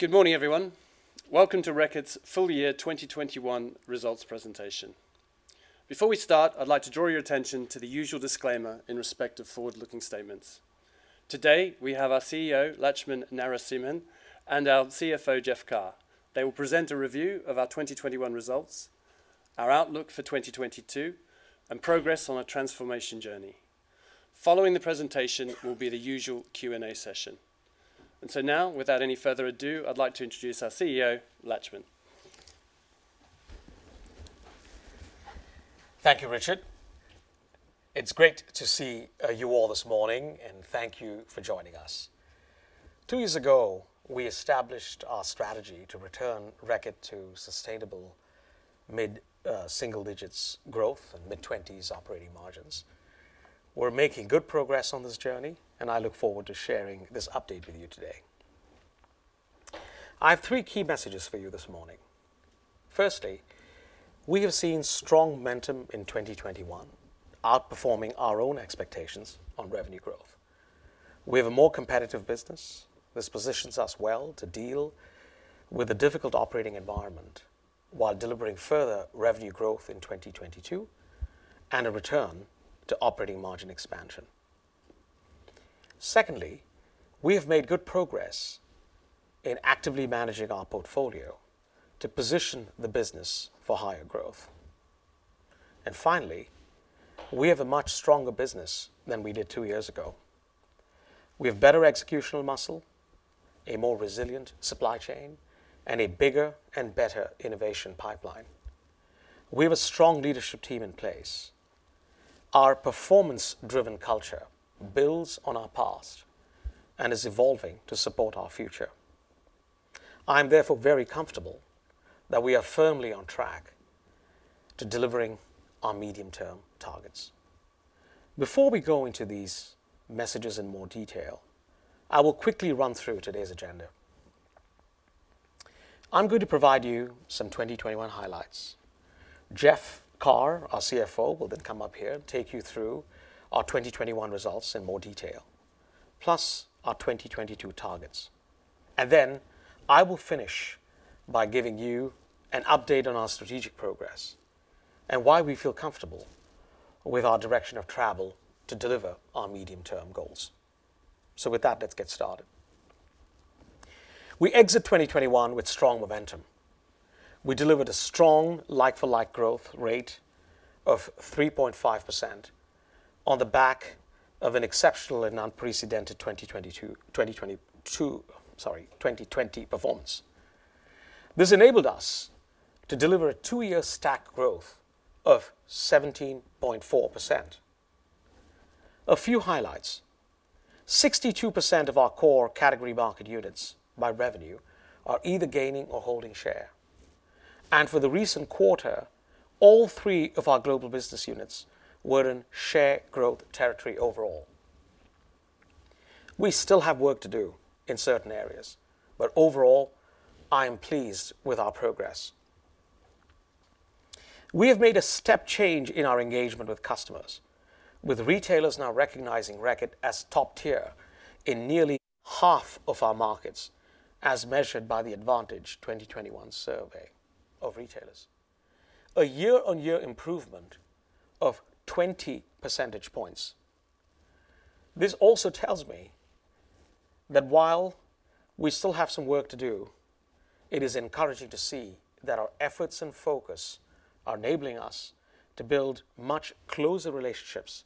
Good morning, everyone. Welcome to Reckitt's full year 2021 results presentation. Before we start, I'd like to draw your attention to the usual disclaimer in respect of forward-looking statements. Today, we have our CEO, Laxman Narasimhan, and our CFO, Jeff Carr. They will present a review of our 2021 results, our outlook for 2022, and progress on our transformation journey. Following the presentation will be the usual Q&A session. Now, without any further ado, I'd like to introduce our CEO, Laxman Narasimhan. Thank you, Richard. It's great to see you all this morning, and thank you for joining us. Two years ago, we established our strategy to return Reckitt to sustainable mid single digits growth and mid-20s operating margins. We're making good progress on this journey, and I look forward to sharing this update with you today. I have three key messages for you this morning. Firstly, we have seen strong momentum in 2021, outperforming our own expectations on revenue growth. We have a more competitive business. This positions us well to deal with the difficult operating environment while delivering further revenue growth in 2022 and a return to operating margin expansion. Secondly, we have made good progress in actively managing our portfolio to position the business for higher growth. Finally, we have a much stronger business than we did two years ago. We have better executional muscle, a more resilient supply chain, and a bigger and better innovation pipeline. We have a strong leadership team in place. Our performance-driven culture builds on our past and is evolving to support our future. I am therefore very comfortable that we are firmly on track to delivering our medium-term targets. Before we go into these messages in more detail, I will quickly run through today's agenda. I'm going to provide you some 2021 highlights. Jeff Carr, our CFO, will then come up here, take you through our 2021 results in more detail, plus our 2022 targets. Then I will finish by giving you an update on our strategic progress and why we feel comfortable with our direction of travel to deliver our medium-term goals. With that, let's get started. We exit 2021 with strong momentum. We delivered a strong like-for-like growth rate of 3.5% on the back of an exceptional and unprecedented 2020 performance. This enabled us to deliver a two-year stack growth of 17.4%. A few highlights. 62% of our core category market units by revenue are either gaining or holding share. For the recent quarter, all three of our global business units were in share growth territory overall. We still have work to do in certain areas, but overall, I am pleased with our progress. We have made a step change in our engagement with customers, with retailers now recognizing Reckitt as top tier in nearly half of our markets as measured by the Advantage 2021 survey of retailers. A year-on-year improvement of 20 percentage points. This also tells me that while we still have some work to do, it is encouraging to see that our efforts and focus are enabling us to build much closer relationships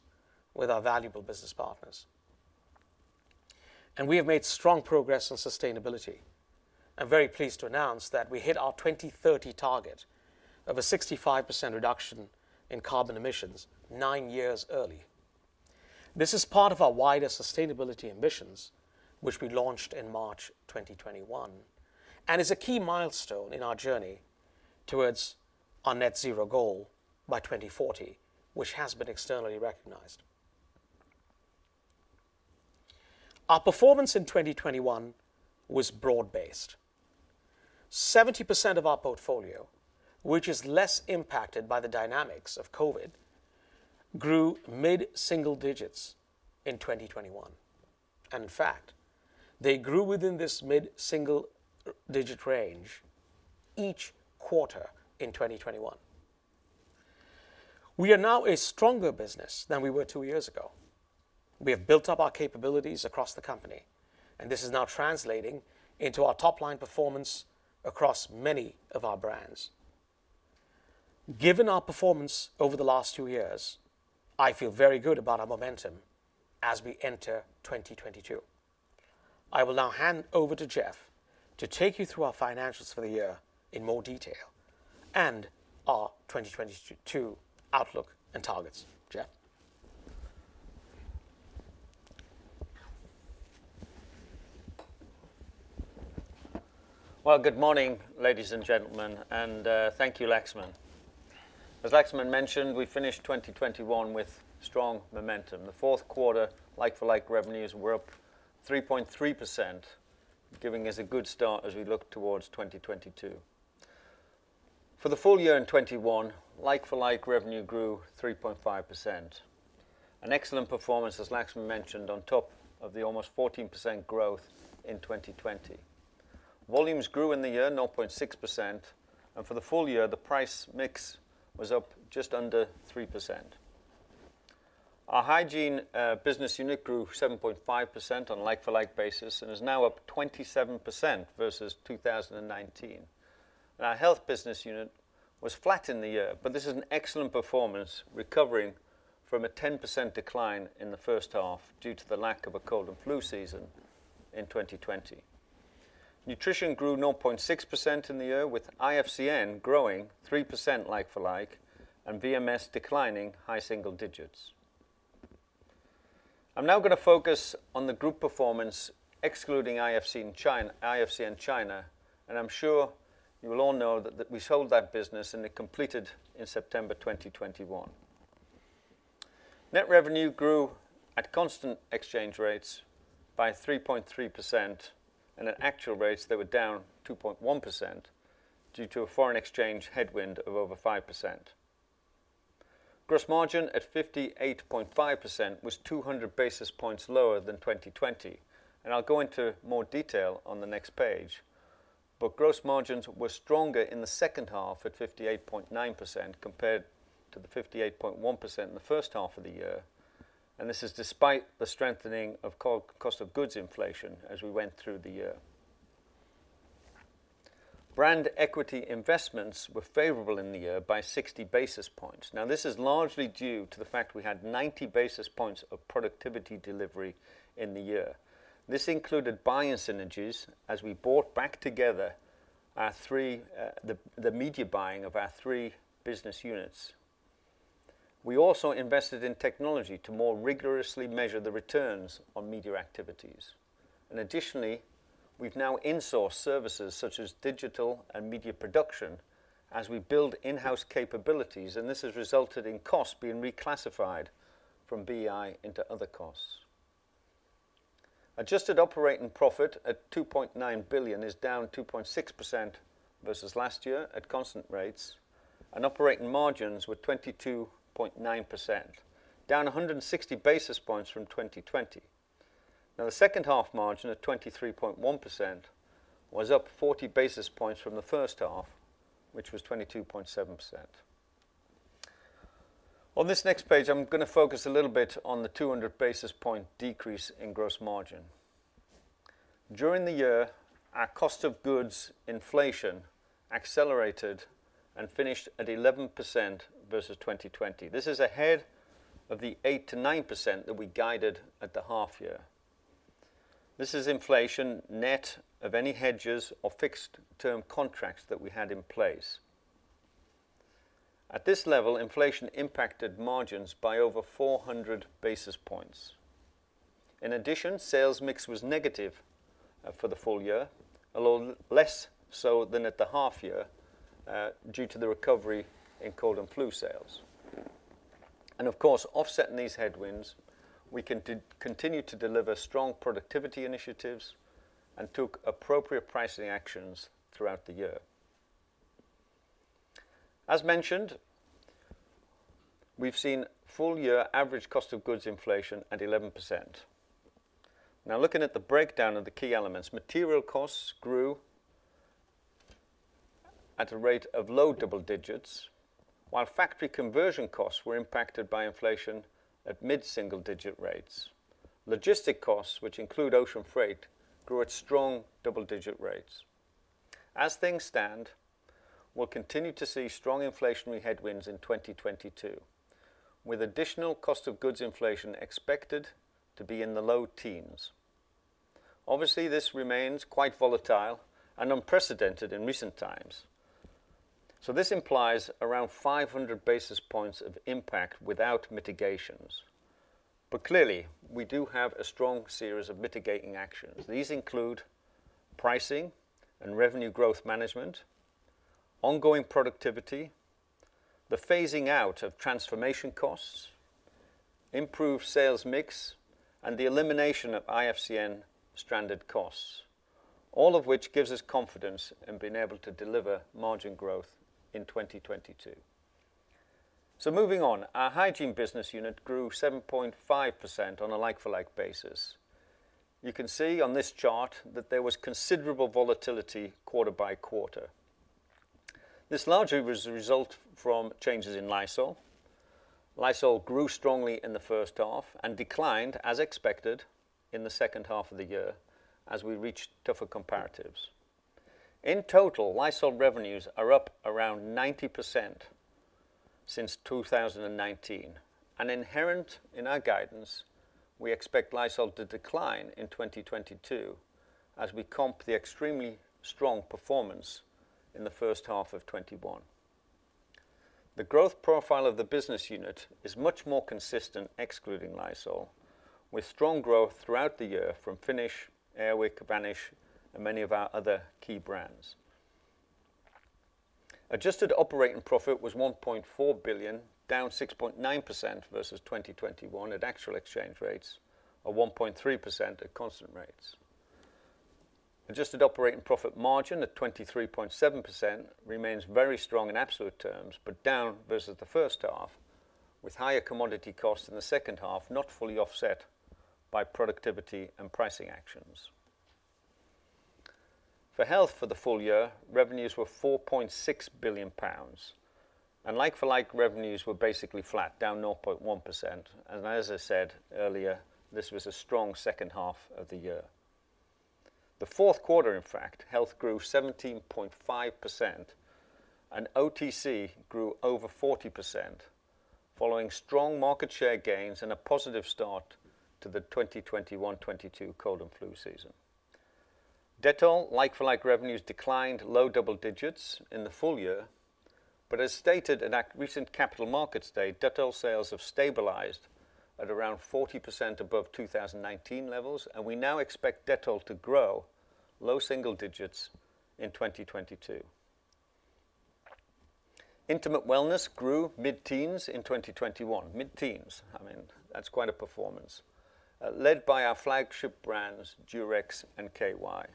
with our valuable business partners. We have made strong progress on sustainability. I'm very pleased to announce that we hit our 2030 target of a 65% reduction in carbon emissions nine years early. This is part of our wider sustainability ambitions, which we launched in March 2021, and is a key milestone in our journey towards our net zero goal by 2040, which has been externally recognized. Our performance in 2021 was broad-based. 70% of our portfolio, which is less impacted by the dynamics of COVID, grew mid-single digits in 2021. In fact, they grew within this mid-single digit range each quarter in 2021. We are now a stronger business than we were two years ago. We have built up our capabilities across the company, and this is now translating into our top-line performance across many of our brands. Given our performance over the last two years, I feel very good about our momentum as we enter 2022. I will now hand over to Jeff to take you through our financials for the year in more detail and our 2022 outlook and targets. Jeff? Well, good morning, ladies and gentlemen, and thank you, Laxman. As Laxman mentioned, we finished 2021 with strong momentum. The fourth quarter like-for-like revenues were up 3.3%, giving us a good start as we look towards 2022. For the full year in 2021, like-for-like revenue grew 3.5%. An excellent performance, as Laxman mentioned, on top of the almost 14% growth in 2020. Volumes grew in the year 0.6%, and for the full year, the price mix was up just under 3%. Our Hygiene business unit grew 7.5% on like-for-like basis and is now up 27% versus 2019. Our health business unit was flat in the year, but this is an excellent performance recovering from a 10% decline in the first half due to the lack of a cold and flu season in 2020. Nutrition grew 0.6% in the year, with IFCN growing 3% like for like, and VMS declining high single digits. I'm now gonna focus on the group performance excluding IFCN China, and I'm sure you will all know that we sold that business, and it completed in September 2021. Net revenue grew at constant exchange rates by 3.3%, and at actual rates they were down 2.1% due to a foreign exchange headwind of over 5%. Gross margin at 58.5% was 200 basis points lower than 2020, and I'll go into more detail on the next page. Gross margins were stronger in the second half at 58.9% compared to the 58.1% in the first half of the year, and this is despite the strengthening of cost of goods inflation as we went through the year. Brand equity investments were favorable in the year by 60 basis points. Now, this is largely due to the fact we had 90 basis points of productivity delivery in the year. This included buying synergies as we bought back together our three, the media buying of our three business units. We also invested in technology to more rigorously measure the returns on media activities. Additionally, we've now insourced services such as digital and media production as we build in-house capabilities, and this has resulted in costs being reclassified from BI into other costs. Adjusted operating profit of 2.9 billion is down 2.6% versus last year at constant rates, and operating margins were 22.9%, down 160 basis points from 2020. Now, the second half margin of 23.1% was up 40 basis points from the first half, which was 22.7%. On this next page, I'm gonna focus a little bit on the 200 basis point decrease in gross margin. During the year, our cost of goods inflation accelerated and finished at 11% versus 2020. This is ahead of the 8%-9% that we guided at the half year. This is inflation net of any hedges or fixed term contracts that we had in place. At this level, inflation impacted margins by over 400 basis points. In addition, sales mix was negative for the full year, although less so than at the half year, due to the recovery in cold and flu sales. Of course, offsetting these headwinds, we continue to deliver strong productivity initiatives and took appropriate pricing actions throughout the year. As mentioned, we've seen full year average cost of goods inflation at 11%. Now looking at the breakdown of the key elements, material costs grew at a rate of low double digits, while factory conversion costs were impacted by inflation at mid-single digit rates. Logistic costs, which include ocean freight, grew at strong double-digit rates. As things stand, we'll continue to see strong inflationary headwinds in 2022, with additional cost of goods inflation expected to be in the low teens. Obviously, this remains quite volatile and unprecedented in recent times. This implies around 500 basis points of impact without mitigations. Clearly, we do have a strong series of mitigating actions. These include pricing and revenue growth management, ongoing productivity, the phasing out of transformation costs, improved sales mix, and the elimination of IFCN stranded costs, all of which gives us confidence in being able to deliver margin growth in 2022. Moving on. Our hygiene business unit grew 7.5% on a like-for-like basis. You can see on this chart that there was considerable volatility quarter by quarter. This largely was a result from changes in Lysol. Lysol grew strongly in the first half and declined as expected in the second half of the year as we reached tougher comparatives. In total, Lysol revenues are up around 90% since 2019, and inherent in our guidance, we expect Lysol to decline in 2022 as we comp the extremely strong performance in the first half of 2021. The growth profile of the business unit is much more consistent excluding Lysol, with strong growth throughout the year from Finish, Air Wick, Vanish, and many of our other key brands. Adjusted operating profit was 1.4 billion, down 6.9% versus 2021 at actual exchange rates, or 1.3% at constant rates. Adjusted operating profit margin at 23.7% remains very strong in absolute terms, but down versus the first half, with higher commodity costs in the second half not fully offset by productivity and pricing actions. For Health for the full year, revenues were 4.6 billion pounds, and like-for-like revenues were basically flat, down 0.1%. As I said earlier, this was a strong second half of the year. The fourth quarter, in fact, Health grew 17.5%, and OTC grew over 40% following strong market share gains and a positive start to the 2021-2022 cold and flu season. Dettol, like for like, revenues declined low double digits in the full year. As stated at our recent Capital Markets Day, Dettol sales have stabilized at around 40% above 2019 levels, and we now expect Dettol to grow low single digits in 2022. Intimate Wellness grew mid-teens in 2021. Mid-teens, I mean, that's quite a performance, led by our flagship brands, Durex and KY.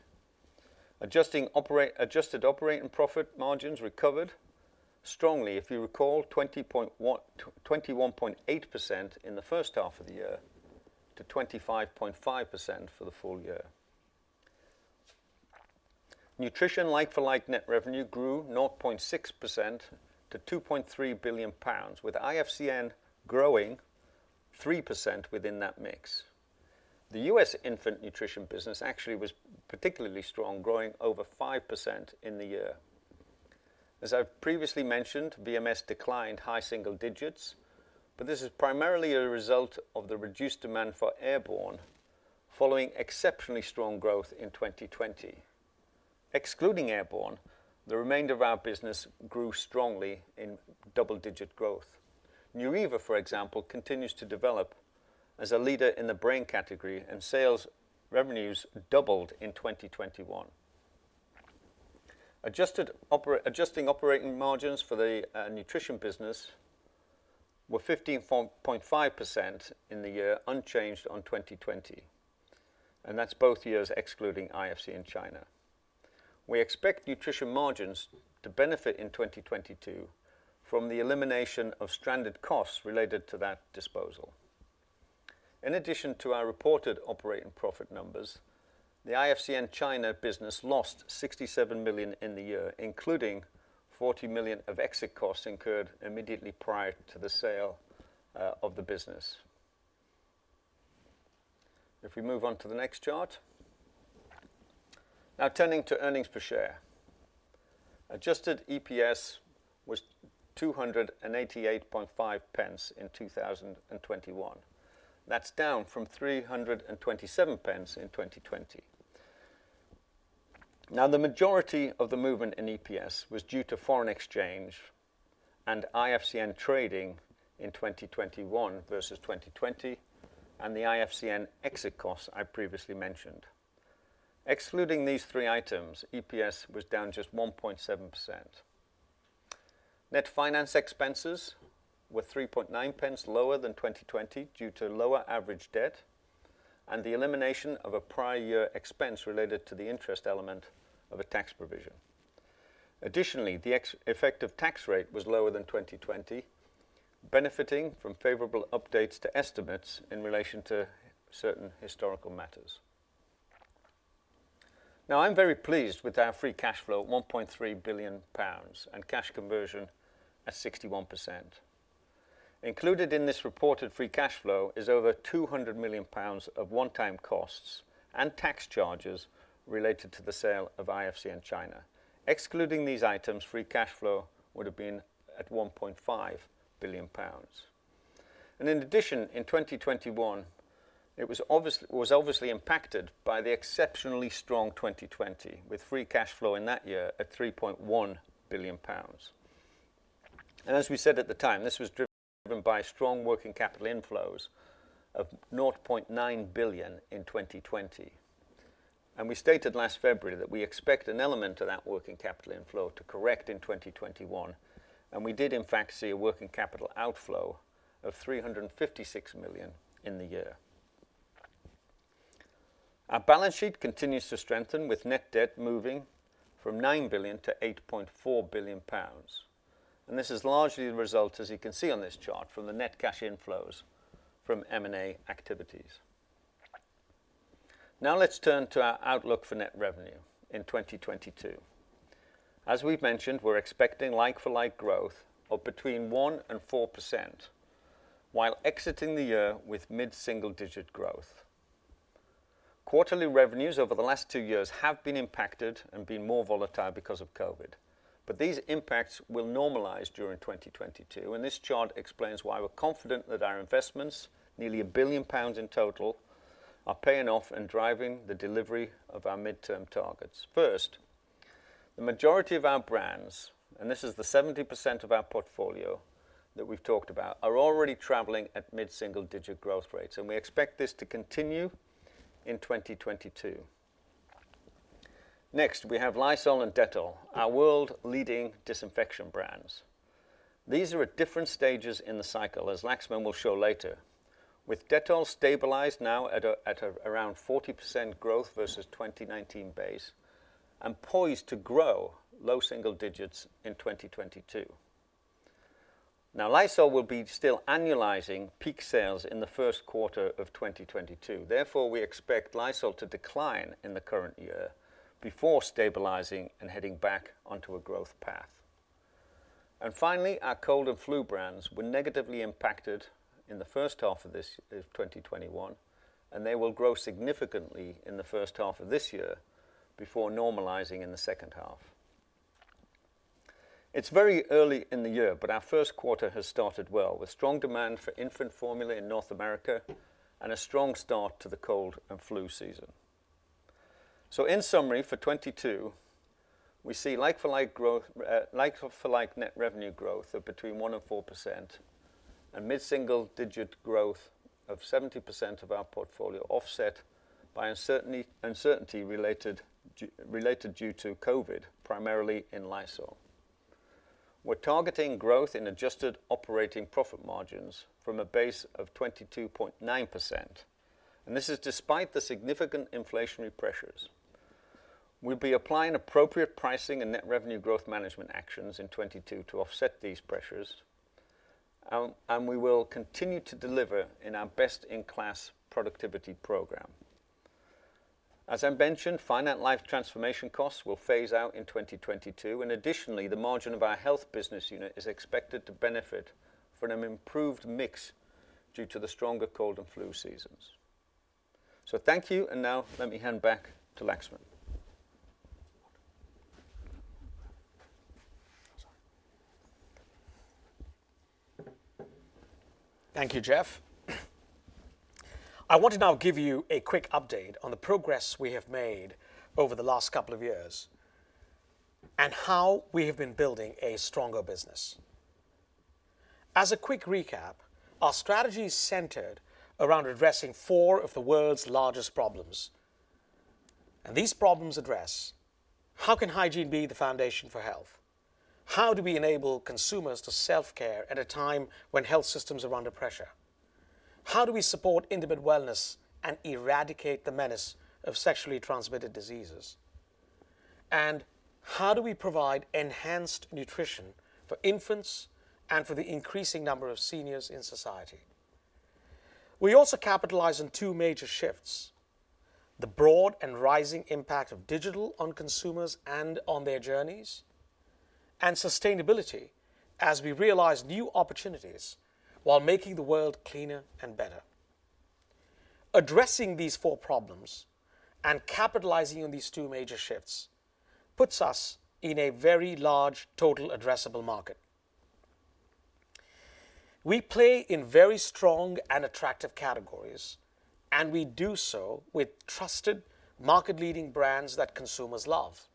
Adjusted operating profit margins recovered strongly, if you recall, 21.8% in the first half of the year to 25.5% for the full year. Nutrition like-for-like net revenue grew 0.6% to 2.3 billion pounds, with IFCN growing 3% within that mix. The U.S. infant nutrition business actually was particularly strong, growing over 5% in the year. As I've previously mentioned, VMS declined high single digits, but this is primarily a result of the reduced demand for Airborne following exceptionally strong growth in 2020. Excluding Airborne, the remainder of our business grew strongly in double-digit growth. Neuriva, for example, continues to develop as a leader in the brain category, and sales revenues doubled in 2021. Adjusting operating margins for the nutrition business were 15.5% in the year, unchanged on 2020, and that's both years excluding IFCN China. We expect nutrition margins to benefit in 2022 from the elimination of stranded costs related to that disposal. In addition to our reported operating profit numbers, the IFCN China business lost 67 million in the year, including 40 million of exit costs incurred immediately prior to the sale of the business. If we move on to the next chart. Now turning to earnings per share. Adjusted EPS was 2.885 in 2021. That's down from 3.27 in 2020. The majority of the movement in EPS was due to foreign exchange and IFCN trading in 2021 versus 2020 and the IFCN exit costs I previously mentioned. Excluding these three items, EPS was down just 1.7%. Net finance expenses were 0.039 lower than 2020 due to lower average debt and the elimination of a prior year expense related to the interest element of a tax provision. Additionally, effective tax rate was lower than 2020, benefiting from favorable updates to estimates in relation to certain historical matters. I'm very pleased with our free cash flow, 1.3 billion pounds, and cash conversion at 61%. Included in this reported free cash flow is over 200 million pounds of one-time costs and tax charges related to the sale of IFCN China. Excluding these items, free cash flow would have been at 1.5 billion pounds. In addition, in 2021, it was obviously impacted by the exceptionally strong 2020, with free cash flow in that year at 3.1 billion pounds. As we said at the time, this was driven by strong working capital inflows of 0.9 billion in 2020. We stated last February that we expect an element of that working capital inflow to correct in 2021, and we did in fact see a working capital outflow of 356 million in the year. Our balance sheet continues to strengthen, with net debt moving from 9 billion to 8.4 billion pounds. This is largely the result, as you can see on this chart, from the net cash inflows from M&A activities. Now let's turn to our outlook for net revenue in 2022. As we've mentioned, we're expecting like-for-like growth of between 1% and 4% while exiting the year with mid-single-digit growth. Quarterly revenues over the last two years have been impacted and been more volatile because of COVID, but these impacts will normalize during 2022, and this chart explains why we're confident that our investments, nearly 1 billion pounds in total, are paying off and driving the delivery of our midterm targets. First, the majority of our brands, and this is the 70% of our portfolio that we've talked about, are already traveling at mid-single-digit growth rates, and we expect this to continue in 2022. Next, we have Lysol and Dettol, our world-leading disinfection brands. These are at different stages in the cycle, as Laxman will show later, with Dettol stabilized now at around 40% growth versus 2019 base and poised to grow low single digits in 2022. Now, Lysol will be still annualizing peak sales in the first quarter of 2022. Therefore, we expect Lysol to decline in the current year before stabilizing and heading back onto a growth path. Finally, our cold and flu brands were negatively impacted in the first half of this 2021, and they will grow significantly in the first half of this year before normalizing in the second half. It's very early in the year, but our first quarter has started well, with strong demand for infant formula in North America and a strong start to the cold and flu season. In summary, for 2022, we see like-for-like growth, like-for-like net revenue growth of between 1% and 4% and mid-single-digit growth of 70% of our portfolio offset by uncertainty related due to COVID, primarily in Lysol. We're targeting growth in adjusted operating profit margins from a base of 22.9%, and this is despite the significant inflationary pressures. We'll be applying appropriate pricing and net revenue growth management actions in 2022 to offset these pressures, and we will continue to deliver in our best-in-class productivity program. As I mentioned, finite-life transformation costs will phase out in 2022, and additionally, the margin of our Health business unit is expected to benefit from an improved mix due to the stronger cold and flu seasons. Thank you, and now let me hand back to Laxman. Thank you, Jeff. I want to now give you a quick update on the progress we have made over the last couple of years and how we have been building a stronger business. As a quick recap, our strategy is centered around addressing four of the world's largest problems. These problems address how can hygiene be the foundation for health? How do we enable consumers to self-care at a time when health systems are under pressure? How do we support Intimate Wellness and eradicate the menace of sexually transmitted diseases? And how do we provide enhanced nutrition for infants and for the increasing number of seniors in society? We also capitalize on two major shifts, the broad and rising impact of digital on consumers and on their journeys, and sustainability as we realize new opportunities while making the world cleaner and better. Addressing these four problems and capitalizing on these two major shifts puts us in a very large total addressable market. We play in very strong and attractive categories, and we do so with trusted market-leading brands that consumers love.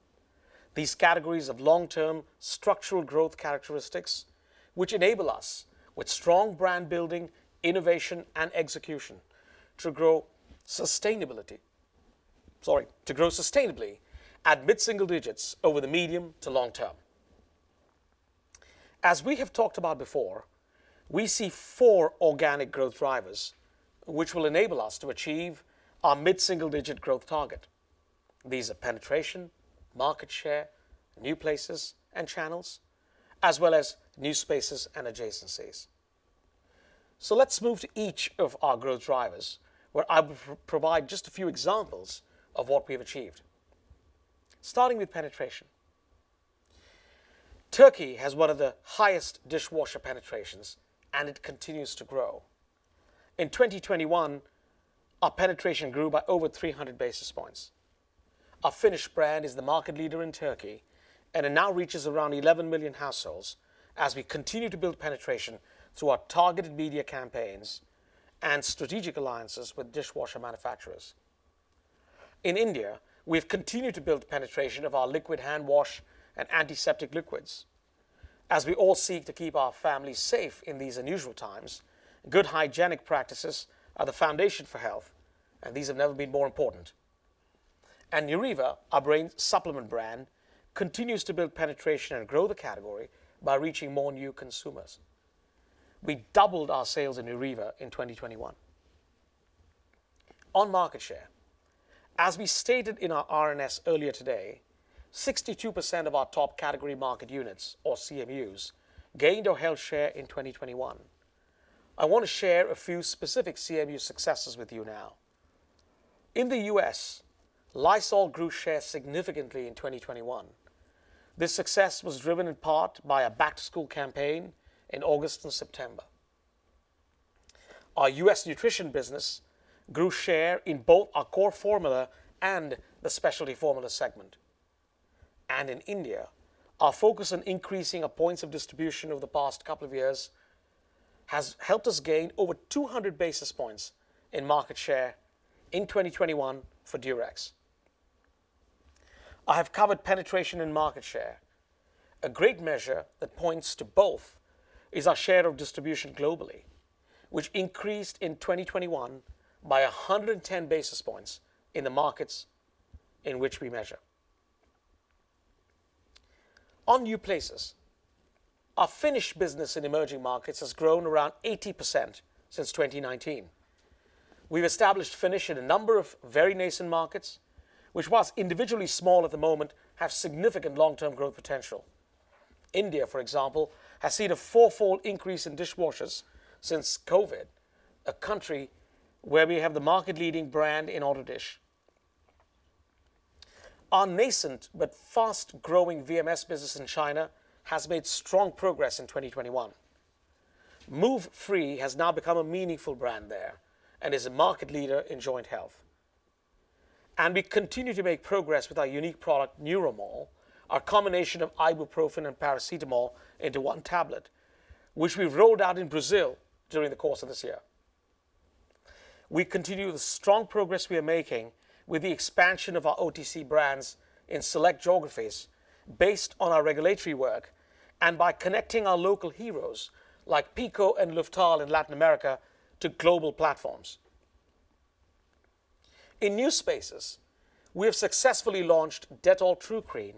These categories have long-term structural growth characteristics, which enable us, with strong brand building, innovation, and execution, to grow sustainability. Sorry, to grow sustainably at mid-single digits over the medium to long term. As we have talked about before, we see four organic growth drivers which will enable us to achieve our mid-single digit growth target. These are penetration, market share, new places and channels, as well as new spaces and adjacencies. Let's move to each of our growth drivers, where I will provide just a few examples of what we have achieved. Starting with penetration. Turkey has one of the highest dishwasher penetrations, and it continues to grow. In 2021, our penetration grew by over 300 basis points. Our Finish brand is the market leader in Turkey, and it now reaches around 11 million households as we continue to build penetration through our targeted media campaigns and strategic alliances with dishwasher manufacturers. In India, we've continued to build penetration of our liquid hand wash and antiseptic liquids. As we all seek to keep our families safe in these unusual times, good hygienic practices are the foundation for health, and these have never been more important. Neuriva, our brain supplement brand, continues to build penetration and grow the category by reaching more new consumers. We doubled our sales in Neuriva in 2021. On market share, as we stated in our RNS earlier today, 62% of our top category market units, or CMUs, gained or held share in 2021. I want to share a few specific CMU successes with you now. In the U.S., Lysol grew share significantly in 2021. This success was driven in part by a back-to-school campaign in August and September. Our U.S. nutrition business grew share in both our core formula and the specialty formula segment. In India, our focus on increasing our points of distribution over the past couple of years has helped us gain over 200 basis points in market share in 2021 for Durex. I have covered penetration and market share. A great measure that points to both is our share of distribution globally, which increased in 2021 by 110 basis points in the markets in which we measure. On new places, our Finish business in emerging markets has grown around 80% since 2019. We've established Finish in a number of very nascent markets, which while individually small at the moment, have significant long-term growth potential. India, for example, has seen a four-fold increase in dishwashers since COVID, a country where we have the market leading brand in Auto Dish. Our nascent but fast-growing VMS business in China has made strong progress in 2021. Move Free has now become a meaningful brand there and is a market leader in joint health. We continue to make progress with our unique product, Nuromol, our combination of ibuprofen and paracetamol into one tablet, which we rolled out in Brazil during the course of this year. We continue the strong progress we are making with the expansion of our OTC brands in select geographies based on our regulatory work and by connecting our local heroes like Pico and Luftal in Latin America to global platforms. In new spaces, we have successfully launched Dettol Tru Clean,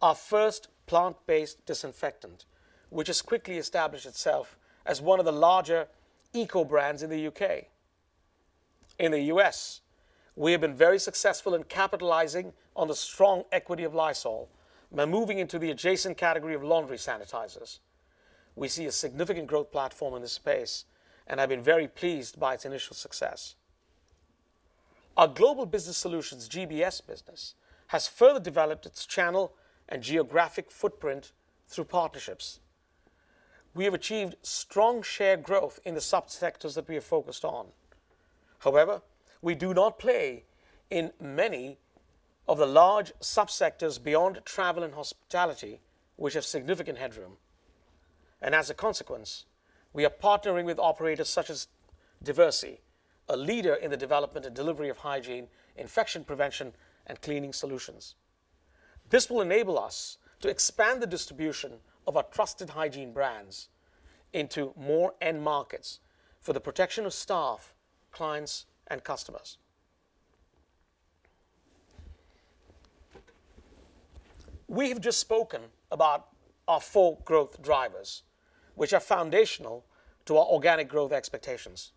our first plant-based disinfectant, which has quickly established itself as one of the larger eco brands in the U.K. In the U.S., we have been very successful in capitalizing on the strong equity of Lysol by moving into the adjacent category of laundry sanitizers. We see a significant growth platform in this space and have been very pleased by its initial success. Our Global Business Solutions, GBS business, has further developed its channel and geographic footprint through partnerships. We have achieved strong share growth in the subsectors that we are focused on. However, we do not play in many of the large subsectors beyond travel and hospitality, which have significant headroom. As a consequence, we are partnering with operators such as Diversey, a leader in the development and delivery of hygiene, infection prevention, and cleaning solutions. This will enable us to expand the distribution of our trusted hygiene brands into more end markets for the protection of staff, clients, and customers. We have just spoken about our four growth drivers, which are foundational to our organic growth expectations.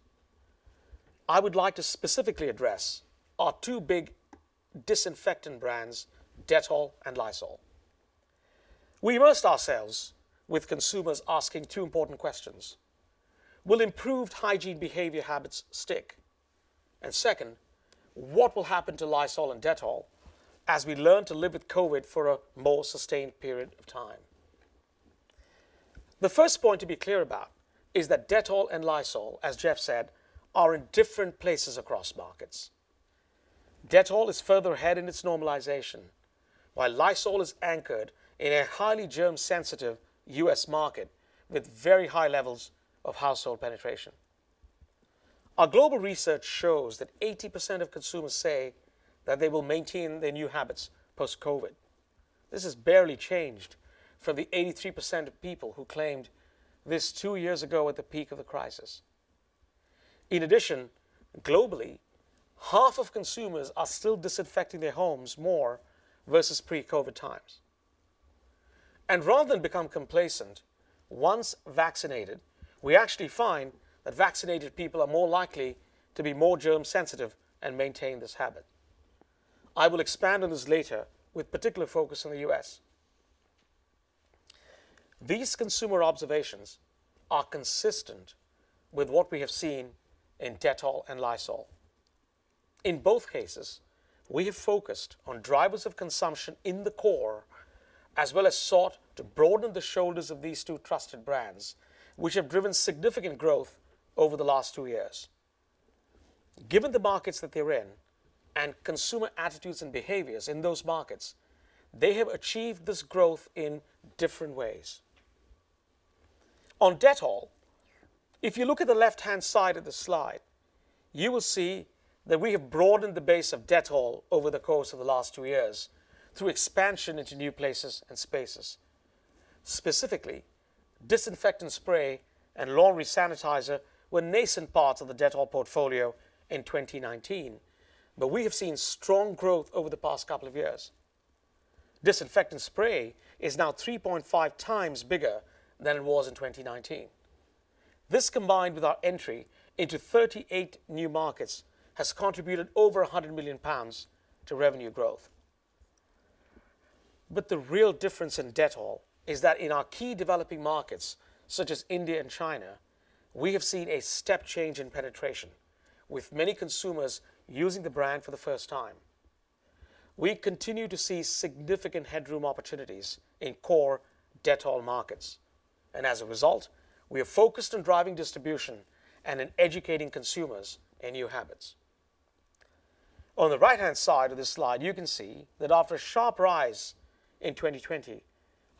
I would like to specifically address our two big disinfectant brands, Dettol and Lysol. We immersed ourselves with consumers asking two important questions. Will improved hygiene behavior habits stick? Second, what will happen to Lysol and Dettol as we learn to live with COVID for a more sustained period of time? The first point to be clear about is that Dettol and Lysol, as Jeff said, are in different places across markets. Dettol is further ahead in its normalization, while Lysol is anchored in a highly germ-sensitive U.S. market with very high levels of household penetration. Our global research shows that 80% of consumers say that they will maintain their new habits post-COVID. This has barely changed from the 83% of people who claimed this two years ago at the peak of the crisis. In addition, globally, half of consumers are still disinfecting their homes more versus pre-COVID times. Rather than become complacent once vaccinated, we actually find that vaccinated people are more likely to be more germ sensitive and maintain this habit. I will expand on this later with particular focus on the U.S. These consumer observations are consistent with what we have seen in Dettol and Lysol. In both cases, we have focused on drivers of consumption in the core, as well as sought to broaden the shoulders of these two trusted brands, which have driven significant growth over the last two years. Given the markets that they're in and consumer attitudes and behaviors in those markets, they have achieved this growth in different ways. On Dettol, if you look at the left-hand side of the slide, you will see that we have broadened the base of Dettol over the course of the last two years through expansion into new places and spaces. Specifically, disinfectant spray and laundry sanitizer were nascent parts of the Dettol portfolio in 2019, but we have seen strong growth over the past couple of years. Disinfectant spray is now 3.5 times bigger than it was in 2019. This, combined with our entry into 38 new markets, has contributed over 100 million pounds to revenue growth. The real difference in Dettol is that in our key developing markets, such as India and China, we have seen a step change in penetration, with many consumers using the brand for the first time. We continue to see significant headroom opportunities in core Dettol markets. As a result, we are focused on driving distribution and in educating consumers in new habits. On the right-hand side of this slide, you can see that after a sharp rise in 2020,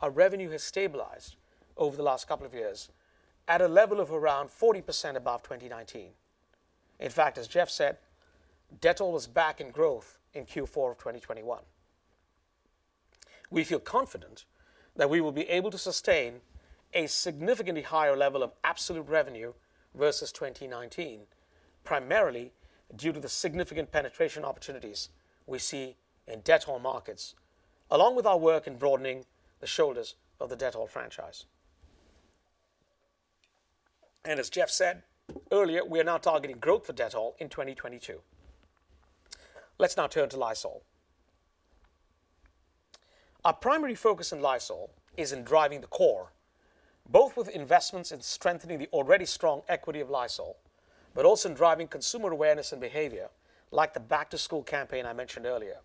our revenue has stabilized over the last couple of years at a level of around 40% above 2019. In fact, as Jeff said, Dettol was back in growth in Q4 of 2021. We feel confident that we will be able to sustain a significantly higher level of absolute revenue versus 2019, primarily due to the significant penetration opportunities we see in Dettol markets along with our work in broadening the shoulders of the Dettol franchise. As Jeff said earlier, we are now targeting growth for Dettol in 2022. Let's now turn to Lysol. Our primary focus in Lysol is in driving the core, both with investments in strengthening the already strong equity of Lysol, but also in driving consumer awareness and behavior, like the back-to-school campaign I mentioned earlier.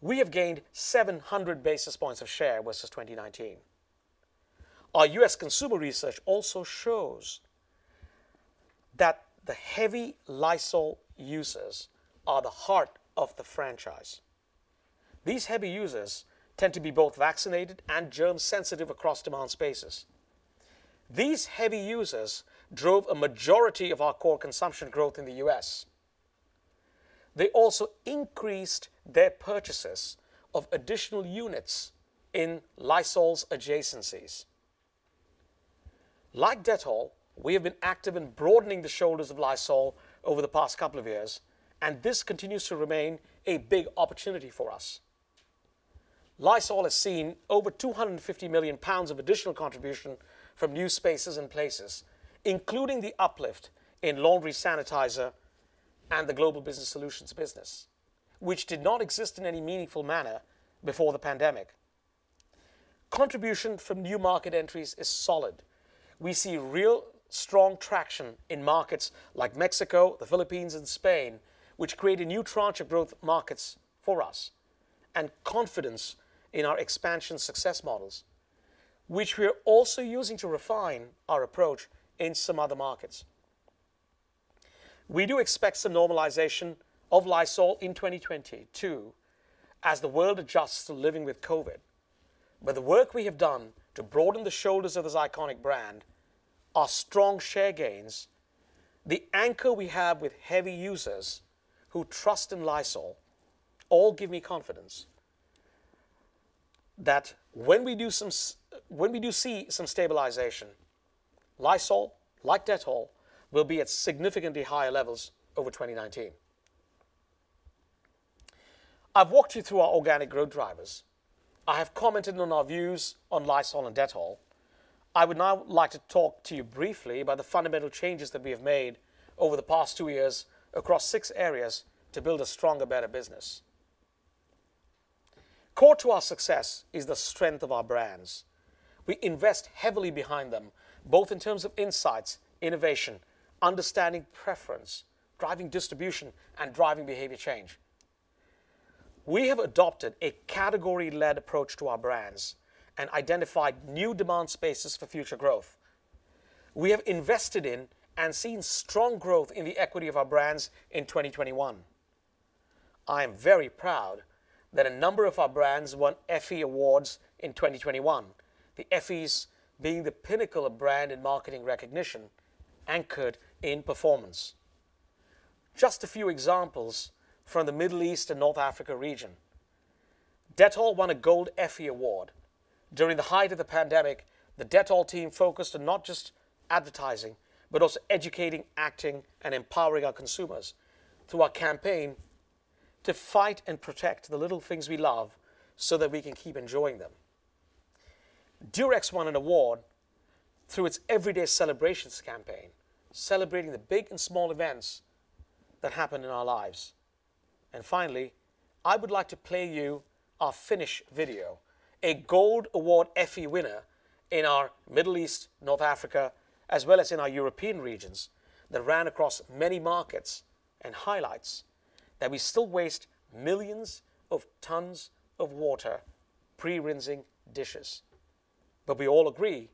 We have gained 700 basis points of share versus 2019. Our U.S. consumer research also shows that the heavy Lysol users are the heart of the franchise. These heavy users tend to be both vaccinated and germ sensitive across demand spaces. These heavy users drove a majority of our core consumption growth in the U.S. They also increased their purchases of additional units in Lysol's adjacencies. Like Dettol, we have been active in broadening the shoulders of Lysol over the past couple of years, and this continues to remain a big opportunity for us. Lysol has seen over £250 million of additional contribution from new spaces and places, including the uplift in laundry sanitizer and the Global Business Solutions business, which did not exist in any meaningful manner before the pandemic. Contribution from new market entries is solid. We see real strong traction in markets like Mexico, the Philippines, and Spain, which create a new tranche of growth markets for us and confidence in our expansion success models, which we are also using to refine our approach in some other markets. We do expect some normalization of Lysol in 2022 as the world adjusts to living with COVID. The work we have done to broaden the shoulders of this iconic brand, our strong share gains, the anchor we have with heavy users who trust in Lysol, all give me confidence that when we do see some stabilization, Lysol, like Dettol, will be at significantly higher levels over 2019. I've walked you through our organic growth drivers. I have commented on our views on Lysol and Dettol. I would now like to talk to you briefly about the fundamental changes that we have made over the past two years across six areas to build a stronger, better business. Core to our success is the strength of our brands. We invest heavily behind them, both in terms of insights, innovation, understanding preference, driving distribution, and driving behavior change. We have adopted a category-led approach to our brands and identified new demand spaces for future growth. We have invested in and seen strong growth in the equity of our brands in 2021. I am very proud that a number of our brands won Effie Awards in 2021, the Effies being the pinnacle of brand and marketing recognition anchored in performance. Just a few examples from the Middle East and North Africa region. Dettol won a Gold Effie Award. During the height of the pandemic, the Dettol team focused on not just advertising, but also educating, acting, and empowering our consumers through our campaign to fight and protect the little things we love so that we can keep enjoying them. Durex won an award through its Everyday Celebrations campaign, celebrating the big and small events that happen in our lives. Finally, I would like to play you our Finish video, a Gold Award Effie winner in our Middle East, North Africa, as well as in our European regions, that ran across many markets and highlights that we still waste millions of tons of water pre-rinsing dishes, but we all agree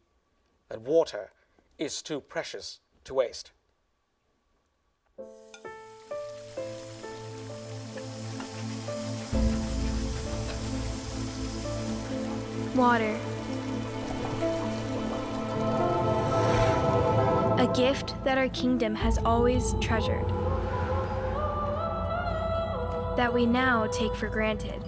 that water is too precious to waste. Water, a gift that our kingdom has always treasured, that we now take for granted.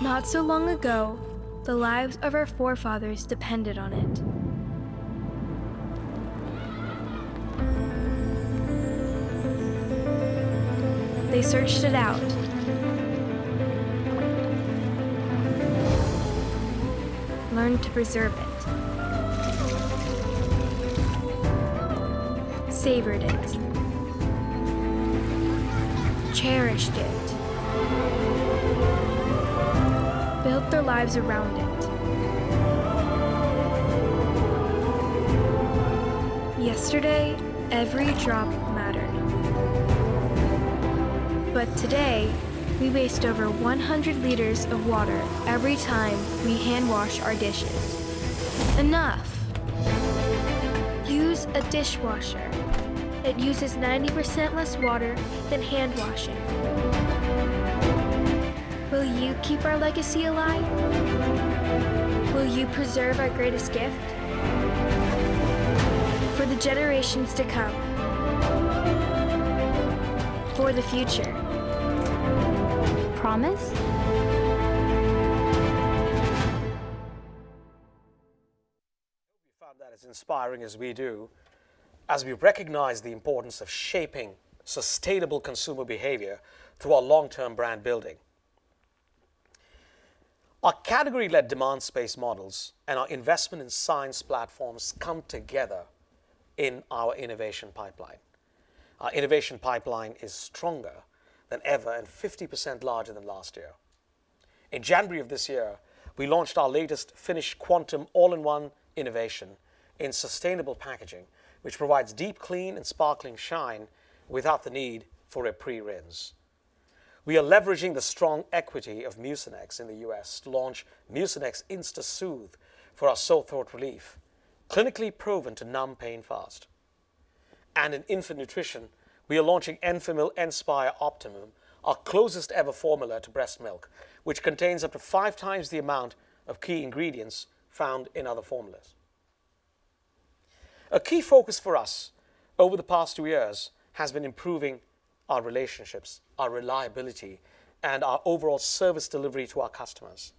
Not so long ago, the lives of our forefathers depended on it. They searched it out, learned to preserve it, savored it, cherished it, built their lives around it. Yesterday, every drop mattered. Today, we waste over 100 liters of water every time we hand wash our dishes. Enough. Use a dishwasher. It uses 90% less water than hand washing. Keep our legacy alive? Will you preserve our greatest gift for the generations to come? For the future? Promise? Hope you found that as inspiring as we do, as we recognize the importance of shaping sustainable consumer behavior through our long-term brand building. Our category-led demand space models and our investment in science platforms come together in our innovation pipeline. Our innovation pipeline is stronger than ever and 50% larger than last year. In January of this year, we launched our latest Finish Quantum all-in-one innovation in sustainable packaging, which provides deep clean and sparkling shine without the need for a pre-rinse. We are leveraging the strong equity of Mucinex in the U.S. to launch Mucinex InstaSoothe for our sore throat relief, clinically proven to numb pain fast. In infant nutrition, we are launching Enfamil Enspire Optimum, our closest ever formula to breast milk, which contains up to five times the amount of key ingredients found in other formulas. A key focus for us over the past two years has been improving our relationships, our reliability, and our overall service delivery to our customers.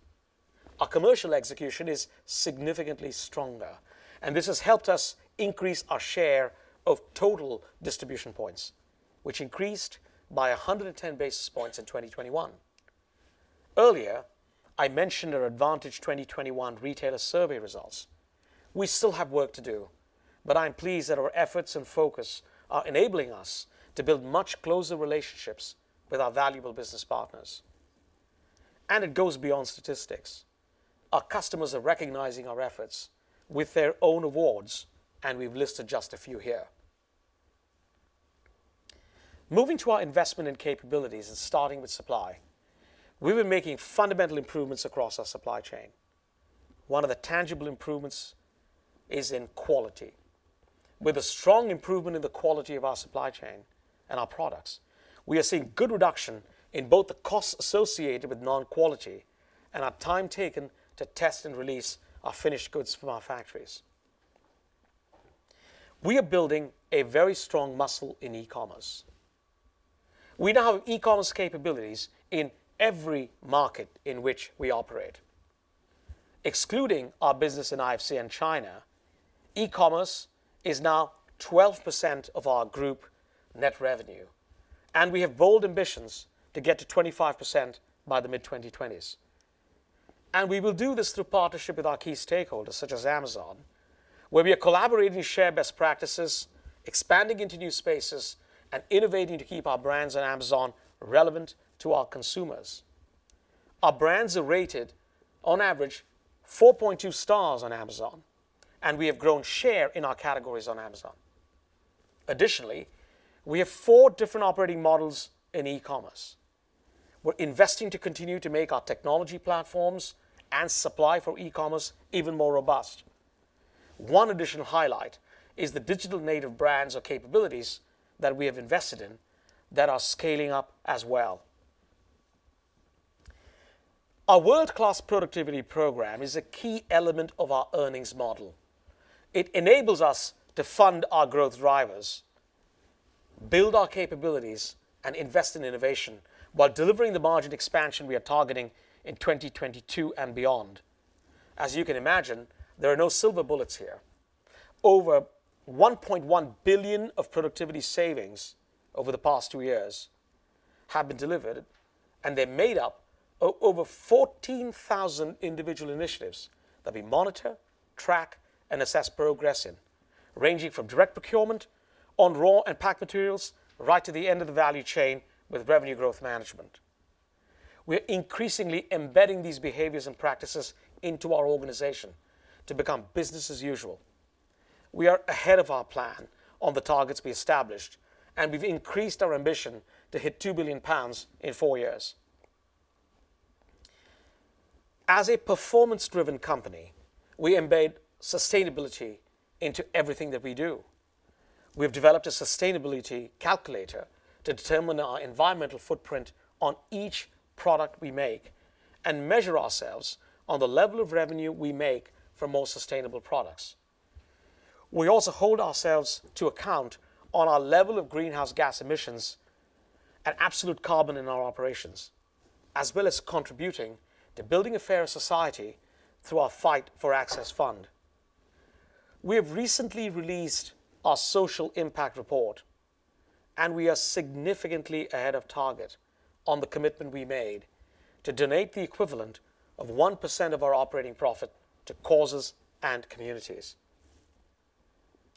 Our commercial execution is significantly stronger, and this has helped us increase our share of total distribution points, which increased by 110 basis points in 2021. Earlier, I mentioned our Advantage 2021 retailer survey results. We still have work to do, but I'm pleased that our efforts and focus are enabling us to build much closer relationships with our valuable business partners. It goes beyond statistics. Our customers are recognizing our efforts with their own awards, and we've listed just a few here. Moving to our investment and capabilities and starting with supply, we've been making fundamental improvements across our supply chain. One of the tangible improvements is in quality. With a strong improvement in the quality of our supply chain and our products, we are seeing good reduction in both the costs associated with non-quality and our time taken to test and release our finished goods from our factories. We are building a very strong muscle in e-commerce. We now have e-commerce capabilities in every market in which we operate. Excluding our business in IFCN and China, e-commerce is now 12% of our group net revenue, and we have bold ambitions to get to 25% by the mid-2020s. We will do this through partnership with our key stakeholders, such as Amazon, where we are collaborating to share best practices, expanding into new spaces, and innovating to keep our brands on Amazon relevant to our consumers. Our brands are rated on average 4.2 stars on Amazon, and we have grown share in our categories on Amazon. Additionally, we have four different operating models in e-commerce. We're investing to continue to make our technology platforms and supply for e-commerce even more robust. One additional highlight is the digital native brands or capabilities that we have invested in that are scaling up as well. Our world-class productivity program is a key element of our earnings model. It enables us to fund our growth drivers, build our capabilities, and invest in innovation while delivering the margin expansion we are targeting in 2022 and beyond. As you can imagine, there are no silver bullets here. Over 1.1 billion of productivity savings over the past two years have been delivered, and they're made up over 14,000 individual initiatives that we monitor, track, and assess progress in, ranging from direct procurement on raw and packed materials right to the end of the value chain with revenue growth management. We're increasingly embedding these behaviors and practices into our organization to become business as usual. We are ahead of our plan on the targets we established, and we've increased our ambition to hit 2 billion pounds in four years. As a performance-driven company, we embed sustainability into everything that we do. We've developed a sustainability calculator to determine our environmental footprint on each product we make and measure ourselves on the level of revenue we make for more sustainable products. We also hold ourselves to account on our level of greenhouse gas emissions and absolute carbon in our operations, as well as contributing to building a fairer society through our Fight for Access fund. We have recently released our social impact report, and we are significantly ahead of target on the commitment we made to donate the equivalent of 1% of our operating profit to causes and communities.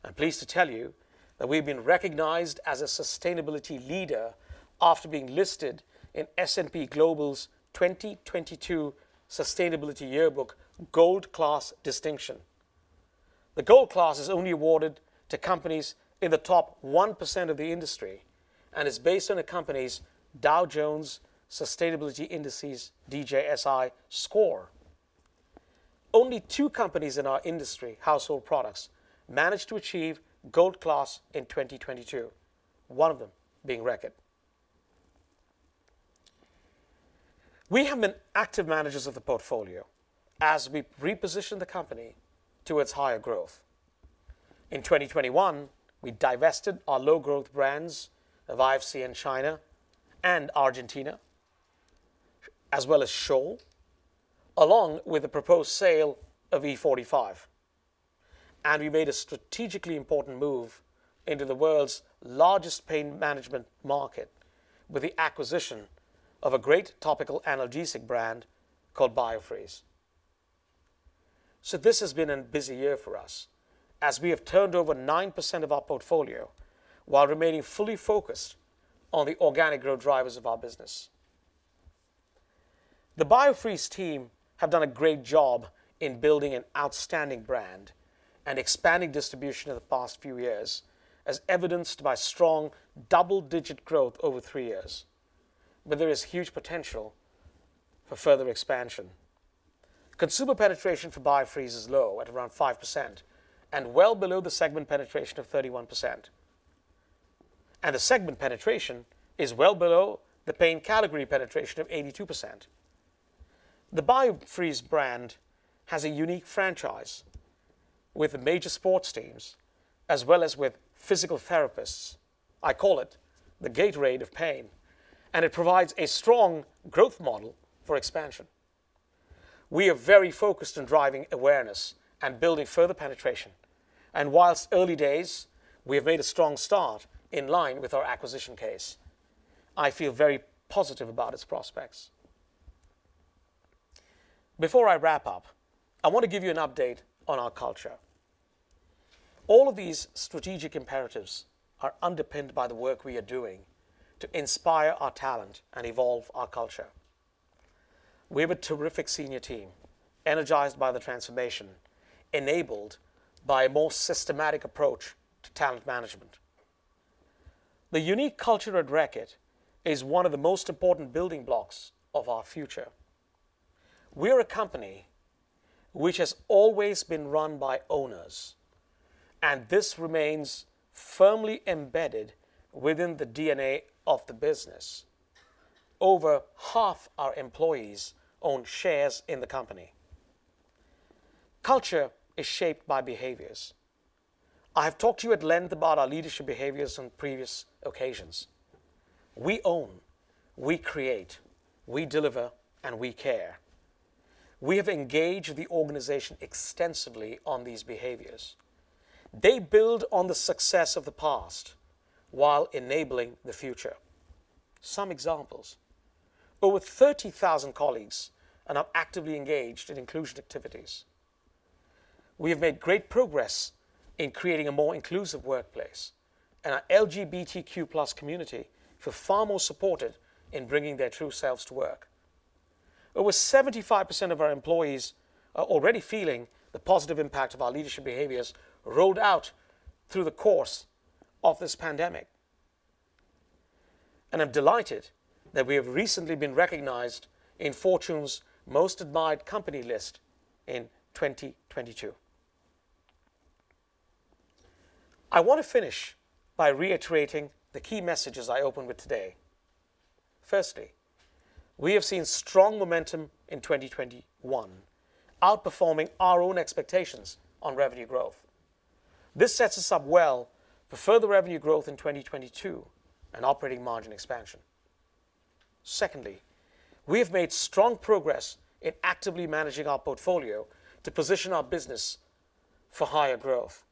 I'm pleased to tell you that we've been recognized as a sustainability leader after being listed in S&P Global's 2022 Sustainability Yearbook Gold Class distinction. The Gold Class is only awarded to companies in the top 1% of the industry, and it's based on a company's Dow Jones Sustainability Indices, DJSI score. Only two companies in our industry, household products, managed to achieve Gold Class in 2022, one of them being Reckitt. We have been active managers of the portfolio as we reposition the company towards higher growth. In 2021, we divested our low-growth brands of IFCN in China and Argentina, as well as Scholl, along with the proposed sale of E45. We made a strategically important move into the world's largest pain management market with the acquisition of a great topical analgesic brand called Biofreeze. This has been a busy year for us as we have turned over 9% of our portfolio while remaining fully focused on the organic growth drivers of our business. The Biofreeze team have done a great job in building an outstanding brand and expanding distribution in the past few years, as evidenced by strong double-digit growth over three years, but there is huge potential for further expansion. Consumer penetration for Biofreeze is low at around 5% and well below the segment penetration of 31%. The segment penetration is well below the pain category penetration of 82%. The Biofreeze brand has a unique franchise with the major sports teams as well as with physical therapists. I call it the Gatorade of pain, and it provides a strong growth model for expansion. We are very focused on driving awareness and building further penetration. While early days, we have made a strong start in line with our acquisition case. I feel very positive about its prospects. Before I wrap up, I want to give you an update on our culture. All of these strategic imperatives are underpinned by the work we are doing to inspire our talent and evolve our culture. We have a terrific senior team energized by the transformation, enabled by a more systematic approach to talent management. The unique culture at Reckitt is one of the most important building blocks of our future. We are a company which has always been run by owners, and this remains firmly embedded within the DNA of the business. Over half our employees own shares in the company. Culture is shaped by behaviors. I have talked to you at length about our leadership behaviors on previous occasions. We own, we create, we deliver, and we care. We have engaged the organization extensively on these behaviors. They build on the success of the past while enabling the future. Some examples. Over 30,000 colleagues are now actively engaged in inclusion activities. We have made great progress in creating a more inclusive workplace, and our LGBTQ+ community feel far more supported in bringing their true selves to work. Over 75% of our employees are already feeling the positive impact of our leadership behaviors rolled out through the course of this pandemic. I'm delighted that we have recently been recognized in Fortune's Most Admired Company list in 2022. I want to finish by reiterating the key messages I opened with today. Firstly, we have seen strong momentum in 2021, outperforming our own expectations on revenue growth. This sets us up well for further revenue growth in 2022 and operating margin expansion. Secondly, we have made strong progress in actively managing our portfolio to position our business for higher growth.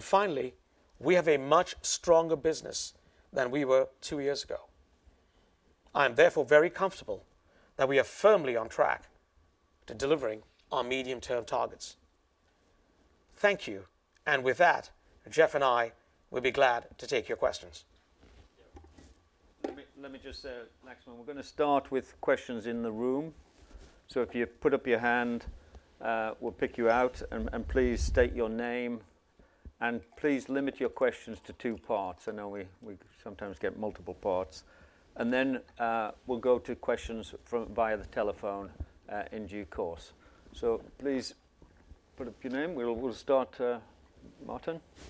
Finally, we have a much stronger business than we were two years ago. I am therefore very comfortable that we are firmly on track to delivering our medium-term targets. Thank you. With that, Jeff and I will be glad to take your questions. We're gonna start with questions in the room. If you put up your hand, we'll pick you out and please state your name and please limit your questions to two parts. I know we sometimes get multiple parts. We'll go to questions via the telephone in due course. Please put up your hand. We'll start, Martin. Yeah.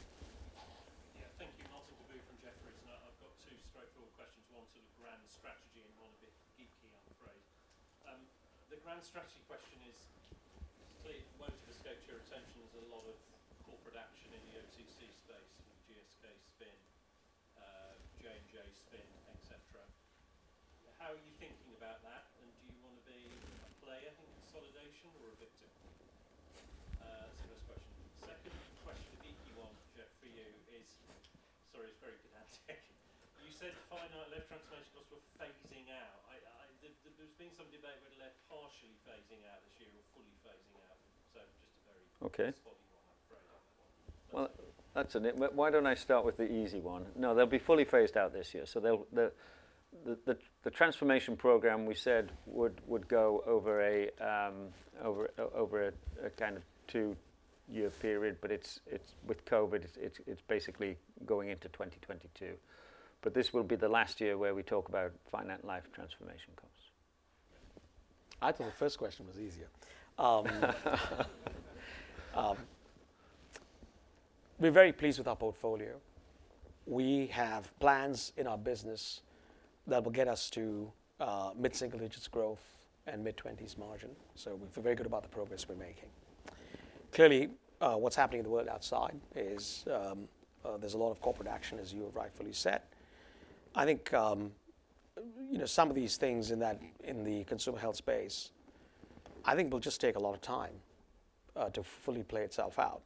Thank you. Martin Deboo from Jefferies. I've got two straightforward questions. One sort of grand strategy and one a bit geeky, I'm afraid. The grand strategy question is, it won't have escaped your attention. There's a lot of corporate action in the OTC space with GSK spin, J&J spin, et cetera. How are you thinking about that, and do you wanna be a player in consolidation or a victim? That's the first question. Second question, a geeky one, Jeff, for you, is. Sorry, it's very pedantic. You said finite-life transformation costs were phasing out. There's been some debate whether they're partially phasing out this year or fully phasing out. So just a very- Okay spot you wanna upgrade on. Why don't I start with the easy one? No, they'll be fully phased out this year. The transformation program we said would go over a kind of two-year period, but it's with COVID, it's basically going into 2022. This will be the last year where we talk about finite-life transformation costs. I thought the first question was easier. We're very pleased with our portfolio. We have plans in our business that will get us to mid-single digits growth and mid-20s margin. We feel very good about the progress we're making. Clearly, what's happening in the world outside is there's a lot of corporate action, as you have rightfully said. I think you know, some of these things in the consumer health space, I think will just take a lot of time to fully play itself out.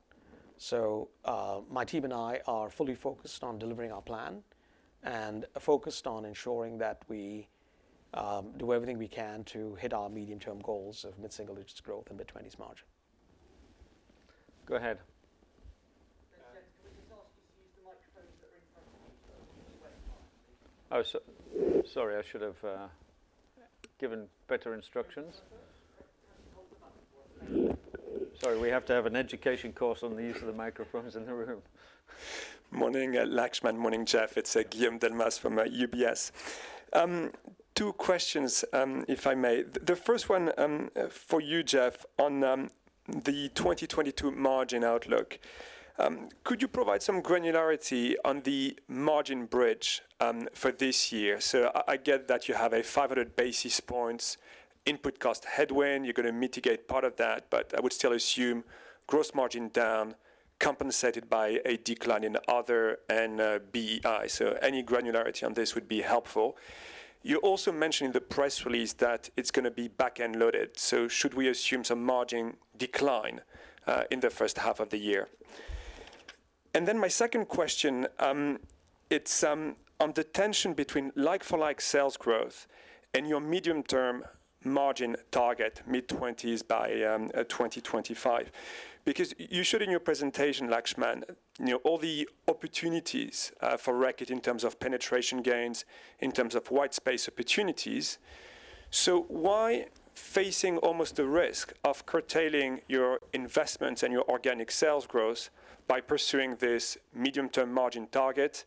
My team and I are fully focused on delivering our plan and focused on ensuring that we do everything we can to hit our medium-term goals of mid-single digits growth and mid-20s margin. Go ahead. Guys, can we just ask you to use the microphones that are in front of you? Oh, sorry, I should have given better instructions. You have to hold the button for one second. Sorry, we have to have an education course on the use of the microphones in the room. Morning, Laxman. Morning, Jeff. It's Guillaume Delmas from UBS. Two questions, if I may. The first one for you, Jeff, on the 2022 margin outlook. Could you provide some granularity on the margin bridge for this year? So I get that you have a 500 basis points input cost headwind. You're gonna mitigate part of that, but I would still assume gross margin down compensated by a decline in other and BEI. So any granularity on this would be helpful. You also mentioned in the press release that it's gonna be back-end loaded. So should we assume some margin decline in the first half of the year? And then my second question, it's on the tension between like-for-like sales growth and your medium-term margin target mid-20s by 2025. Because you showed in your presentation, Laxman, you know, all the opportunities for Reckitt in terms of penetration gains, in terms of white space opportunities. Why are you facing almost the risk of curtailing your investments and your organic sales growth by pursuing this medium-term margin target?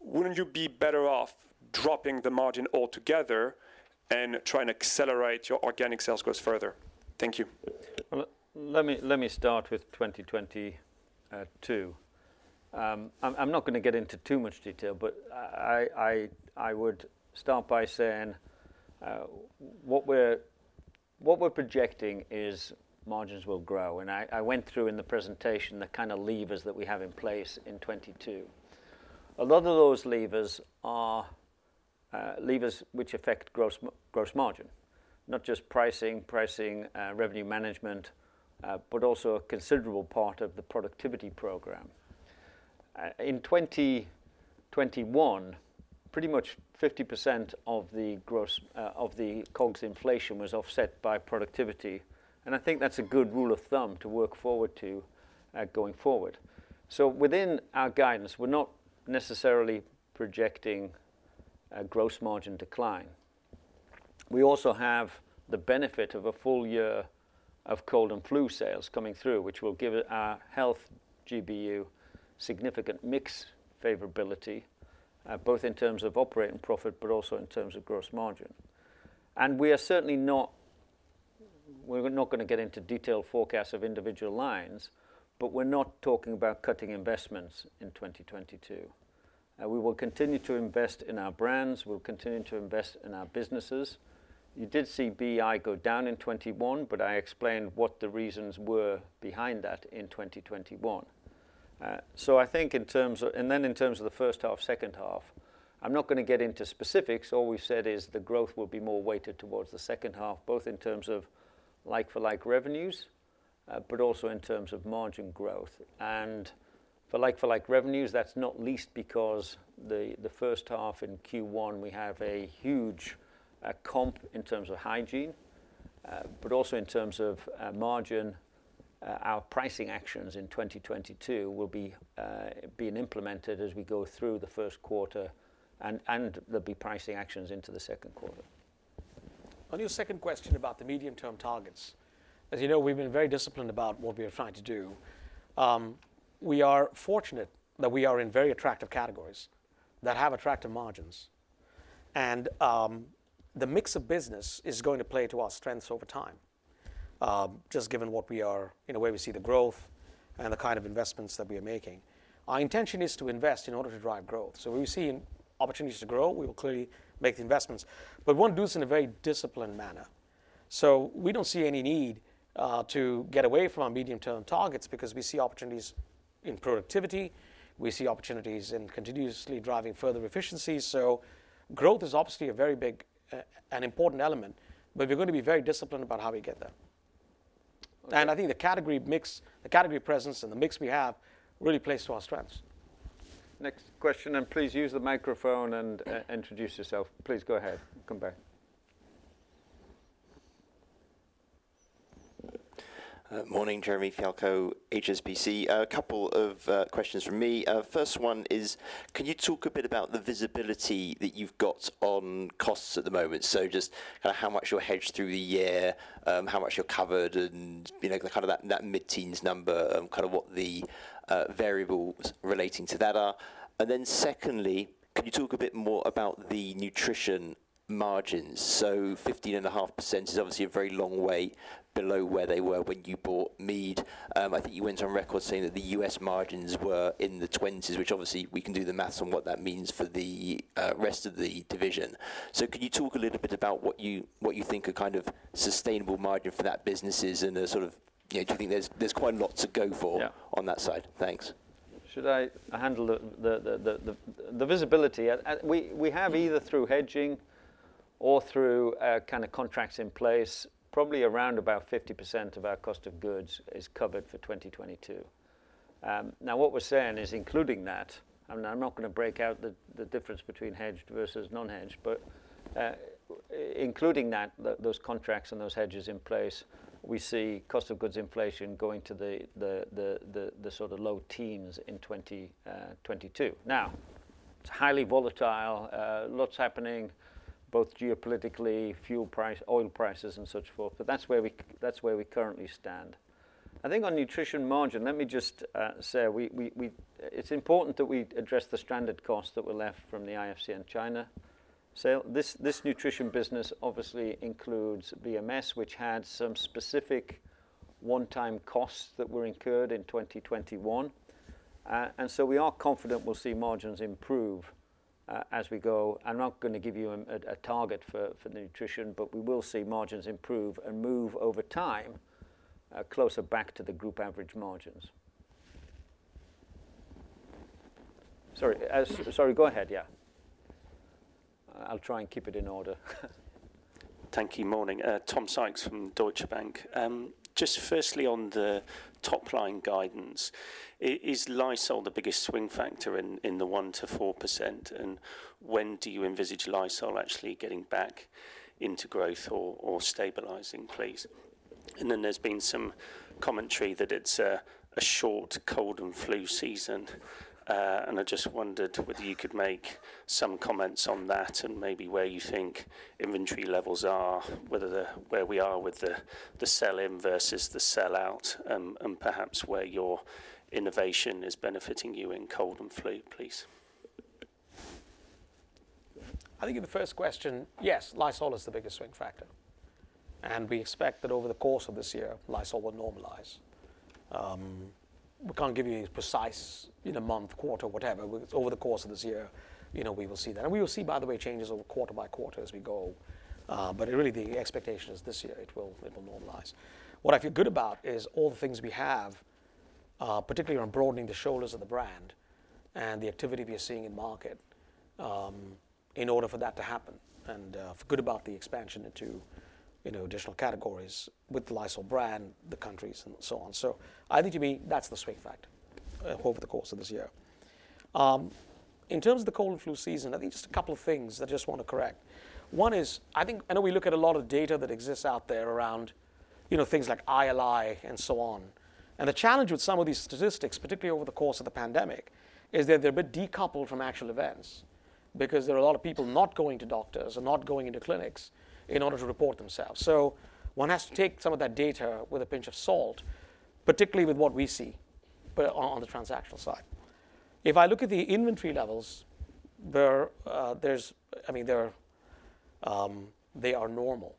Wouldn't you be better off dropping the margin altogether and try and accelerate your organic sales growth further? Thank you. Well, let me start with 2022. I'm not gonna get into too much detail, but I would start by saying what we're projecting is margins will grow. I went through in the presentation the kinda levers that we have in place in 2022. A lot of those levers are levers which affect gross margin, not just pricing, revenue management, but also a considerable part of the productivity program. In 2021, pretty much 50% of the gross of the COGS inflation was offset by productivity, and I think that's a good rule of thumb to work forward to going forward. Within our guidance, we're not necessarily projecting a gross margin decline. We also have the benefit of a full year of cold and flu sales coming through, which will give Health GBU significant mix favorability, both in terms of operating profit, but also in terms of gross margin. We're not gonna get into detailed forecasts of individual lines, but we're not talking about cutting investments in 2022. We will continue to invest in our brands. We'll continue to invest in our businesses. You did see BEI go down in 2021, but I explained what the reasons were behind that in 2021. Then in terms of the first half, second half, I'm not gonna get into specifics. All we've said is the growth will be more weighted towards the second half, both in terms of like-for-like revenues, but also in terms of margin growth. For like-for-like revenues, that's not least because the first half in Q1, we have a huge comp in terms of hygiene, but also in terms of margin. Our pricing actions in 2022 will be being implemented as we go through the first quarter and there'll be pricing actions into the second quarter. On your second question about the medium-term targets, as you know, we've been very disciplined about what we are trying to do. We are fortunate that we are in very attractive categories that have attractive margins. The mix of business is going to play to our strengths over time, just given what we are, you know, where we see the growth and the kind of investments that we are making. Our intention is to invest in order to drive growth. Where we've seen opportunities to grow, we will clearly make the investments, but we want to do this in a very disciplined manner. We don't see any need to get away from our medium-term targets because we see opportunities in productivity. We see opportunities in continuously driving further efficiencies. Growth is obviously a very big and important element, but we're gonna be very disciplined about how we get there. I think the category mix, the category presence and the mix we have really plays to our strengths. Next question, and please use the microphone and introduce yourself. Please go ahead. Come back. Morning, Jeremy Fialko, HSBC. A couple of questions from me. First one is, can you talk a bit about the visibility that you've got on costs at the moment? So just kinda how much you'll hedge through the year, how much you're covered and, you know, kind of that mid-teens number and kind of what the variables relating to that are. Secondly, can you talk a bit more about the nutrition margins? So 15.5% is obviously a very long way below where they were when you bought Mead. I think you went on record saying that the U.S. margins were in the 20s, which obviously we can do the math on what that means for the rest of the division. Can you talk a little bit about what you think a kind of sustainable margin for that business is and the sort of, you know, do you think there's quite a lot to go for? Yeah. On that side. Thanks. Should I handle the visibility? We have either through hedging or through kind of contracts in place, probably around about 50% of our cost of goods is covered for 2022. Now what we're saying is including that, and I'm not gonna break out the difference between hedged versus non-hedged, but including that, those contracts and those hedges in place, we see cost of goods inflation going to the sort of low teens in 2022. Now, it's highly volatile, lots happening both geopolitically, fuel price, oil prices, and such forth. But that's where we currently stand. I think on nutrition margin, let me just say, it's important that we address the stranded costs that were left from the IFCN China. This nutrition business obviously includes BMS, which had some specific one-time costs that were incurred in 2021. We are confident we'll see margins improve as we go. I'm not gonna give you a target for nutrition, but we will see margins improve and move over time closer back to the group average margins. Sorry. Sorry, go ahead. Yeah. I'll try and keep it in order. Thank you. Morning. Tom Sykes from Deutsche Bank. Just firstly on the top-line guidance, is Lysol the biggest swing factor in the 1%-4%, and when do you envisage Lysol actually getting back into growth or stabilizing, please? There's been some commentary that it's a short cold and flu season, and I just wondered whether you could make some comments on that and maybe where you think inventory levels are, whether where we are with the sell-in versus the sell-out, and perhaps where your innovation is benefiting you in cold and flu, please. I think in the first question, yes, Lysol is the biggest swing factor, and we expect that over the course of this year, Lysol will normalize. We can't give you precise in a month, quarter, whatever. Over the course of this year, you know, we will see that. We will see, by the way, changes over quarter by quarter as we go, but really the expectation is this year it will normalize. What I feel good about is all the things we have, particularly on broadening the shoulders of the brand and the activity we are seeing in market, in order for that to happen and feel good about the expansion into, you know, additional categories with the Lysol brand, the countries and so on. I think you mean that's the swing factor, over the course of this year. In terms of the cold and flu season, I think just a couple of things I just wanna correct. One is, I think I know we look at a lot of data that exists out there around, you know, things like ILI and so on. The challenge with some of these statistics, particularly over the course of the pandemic, is that they're a bit decoupled from actual events because there are a lot of people not going to doctors and not going into clinics in order to report themselves. One has to take some of that data with a pinch of salt, particularly with what we see, but on the transactional side. If I look at the inventory levels, they are normal.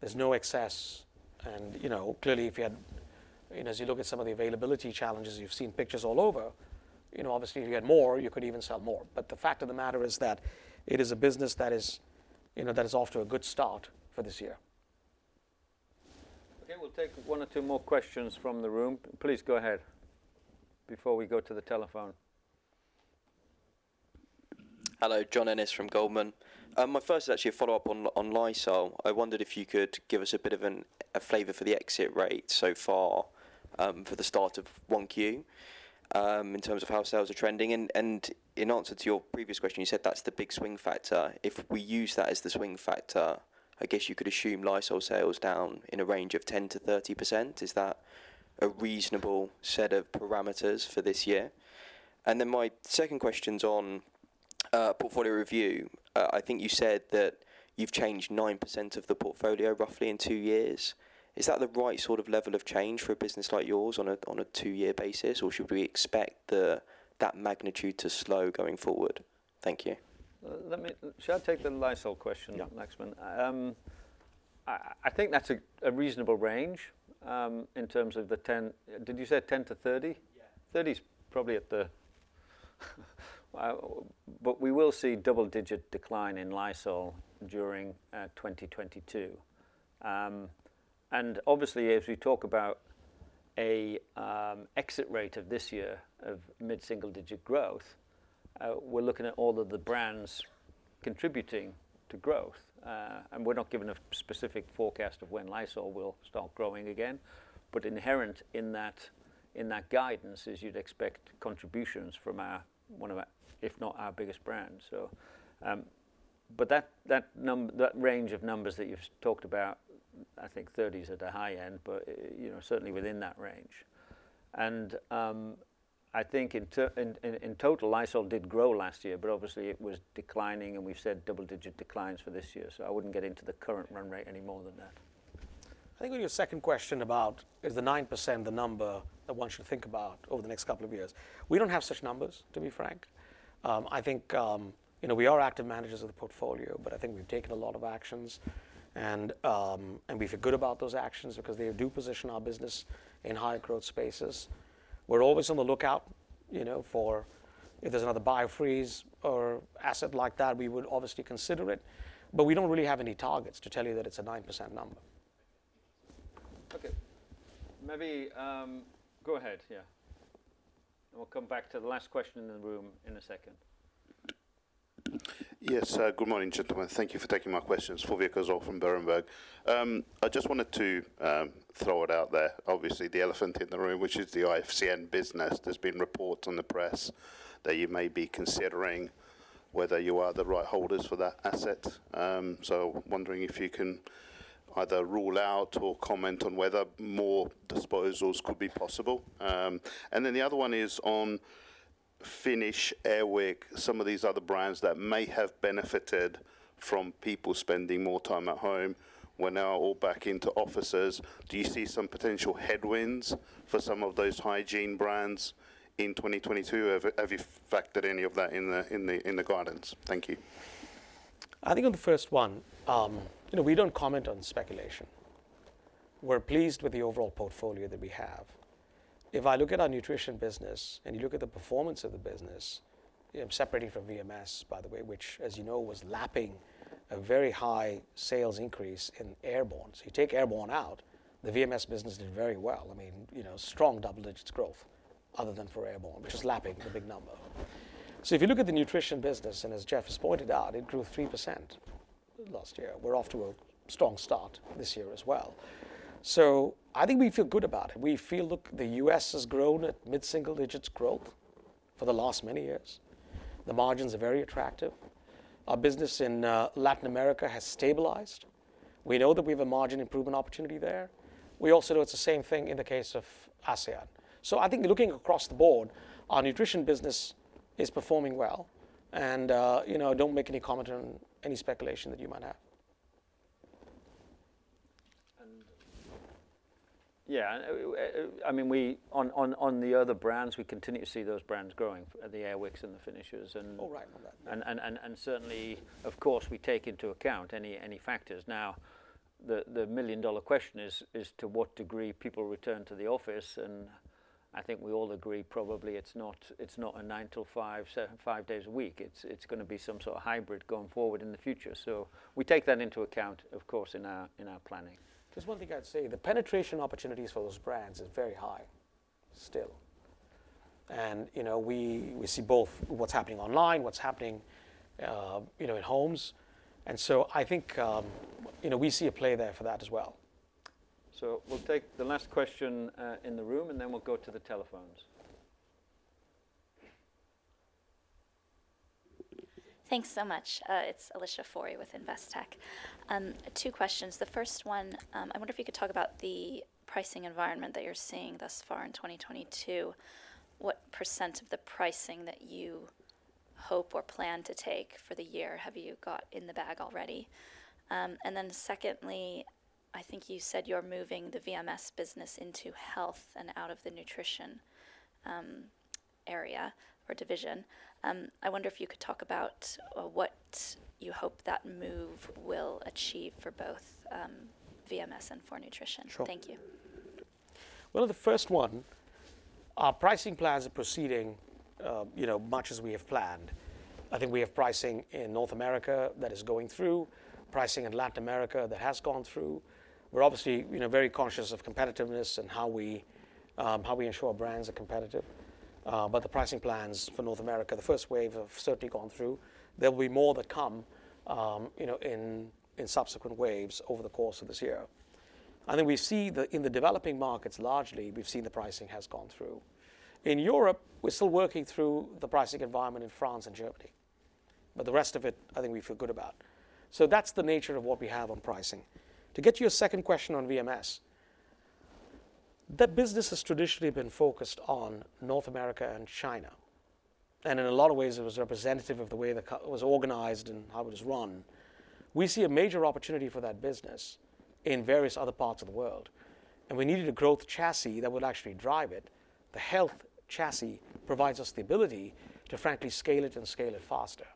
There's no excess and, you know, clearly if you had, you know, as you look at some of the availability challenges, you've seen pictures all over, you know, obviously if you had more, you could even sell more. The fact of the matter is that it is a business that is, you know, that is off to a good start for this year. Okay, we'll take one or two more questions from the room. Please go ahead before we go to the telephone. Hello, John Ennis from Goldman. My first is actually a follow-up on Lysol. I wondered if you could give us a bit of a flavor for the exit rate so far for the start of Q1 in terms of how sales are trending. In answer to your previous question, you said that's the big swing factor. If we use that as the swing factor, I guess you could assume Lysol sales down in a range of 10%-30%. Is that a reasonable set of parameters for this year? My second question's on portfolio review. I think you said that you've changed 9% of the portfolio roughly in two years. Is that the right sort of level of change for a business like yours on a two-year basis, or should we expect that magnitude to slow going forward? Thank you. Shall I take the Lysol question? Yeah. Laxman? I think that's a reasonable range in terms of the 10. Did you say 10-30? Yeah. 30% is probably at the high end, but we will see double-digit decline in Lysol during 2022. Obviously, as we talk about an exit rate of this year of mid-single-digit growth, we're looking at all of the brands contributing to growth. We're not giving a specific forecast of when Lysol will start growing again. Inherent in that guidance is you'd expect contributions from one of our, if not our biggest, brands. That range of numbers that you've talked about, I think 30% is at the high end, but you know, certainly within that range. I think in total, Lysol did grow last year, but obviously it was declining, and we've said double-digit% declines for this year. So I wouldn't get into the current run rate any more than that. I think on your second question about is the 9% the number that one should think about over the next couple of years, we don't have such numbers, to be frank. I think, you know, we are active managers of the portfolio, but I think we've taken a lot of actions and we feel good about those actions because they do position our business in high-growth spaces. We're always on the lookout, you know, for if there's another Biofreeze or asset like that, we would obviously consider it, but we don't really have any targets to tell you that it's a 9% number. Okay. Maybe, go ahead, yeah. We'll come back to the last question in the room in a second. Yes. Good morning, gentlemen. Thank you for taking my questions. Fulvio Cazzol from Berenberg. I just wanted to throw it out there, obviously, the elephant in the room, which is the IFCN business. There's been reports in the press that you may be considering whether you are the right holders for that asset. So wondering if you can either rule out or comment on whether more disposals could be possible. And then the other one is on Finish, Air Wick, some of these other brands that may have benefited from people spending more time at home, we're now all back in offices. Do you see some potential headwinds for some of those hygiene brands in 2022? Have you factored any of that in the guidance? Thank you. I think on the first one, you know, we don't comment on speculation. We're pleased with the overall portfolio that we have. If I look at our nutrition business, and you look at the performance of the business, separating from VMS, by the way, which as you know, was lapping a very high sales increase in Airborne. You take Airborne out, the VMS business did very well. I mean, you know, strong double-digit growth other than for Airborne, which is lapping the big number. If you look at the nutrition business, and as Jeff has pointed out, it grew 3% last year. We're off to a strong start this year as well. I think we feel good about it. We feel, look, the U.S. has grown at mid-single digits growth for the last many years. The margins are very attractive. Our business in Latin America has stabilized. We know that we have a margin improvement opportunity there. We also know it's the same thing in the case of ASEAN. I think looking across the board, our nutrition business is performing well and, you know, don't make any comment on any speculation that you might have. Yeah, I mean, we on the other brands, we continue to see those brands growing, the Air Wick and the Finish and- Oh, right. Certainly of course, we take into account any factors. Now the million-dollar question is to what degree people return to the office, and I think we all agree probably it's not a nine to five, seven, five days a week. It's gonna be some sort of hybrid going forward in the future. We take that into account, of course, in our planning. Just one thing I'd say, the penetration opportunities for those brands is very high still, and, you know, we see both what's happening online, what's happening, you know, in homes, and so I think, you know, we see a play there for that as well. We'll take the last question in the room, and then we'll go to the telephones. Thanks so much. It's Alicia Forry with Investec. Two questions. The first one, I wonder if you could talk about the pricing environment that you're seeing thus far in 2022. What percent of the pricing that you hope or plan to take for the year have you got in the bag already? And then secondly, I think you said you're moving the VMS business into health and out of the nutrition area or division. I wonder if you could talk about what you hope that move will achieve for both VMS and for nutrition. Sure. Thank you. Well, the first one, our pricing plans are proceeding, you know, much as we have planned. I think we have pricing in North America that is going through, pricing in Latin America that has gone through. We're obviously, you know, very conscious of competitiveness and how we ensure our brands are competitive, but the pricing plans for North America, the first wave have certainly gone through. There will be more that come, you know, in subsequent waves over the course of this year. I think we see the, in the developing markets largely, we've seen the pricing has gone through. In Europe, we're still working through the pricing environment in France and Germany, but the rest of it, I think we feel good about. That's the nature of what we have on pricing. To get to your second question on VMS, that business has traditionally been focused on North America and China, and in a lot of ways it was representative of the way it was organized and how it was run. We see a major opportunity for that business in various other parts of the world, and we needed a growth chassis that would actually drive it. The health chassis provides us the ability to frankly scale it and scale it faster.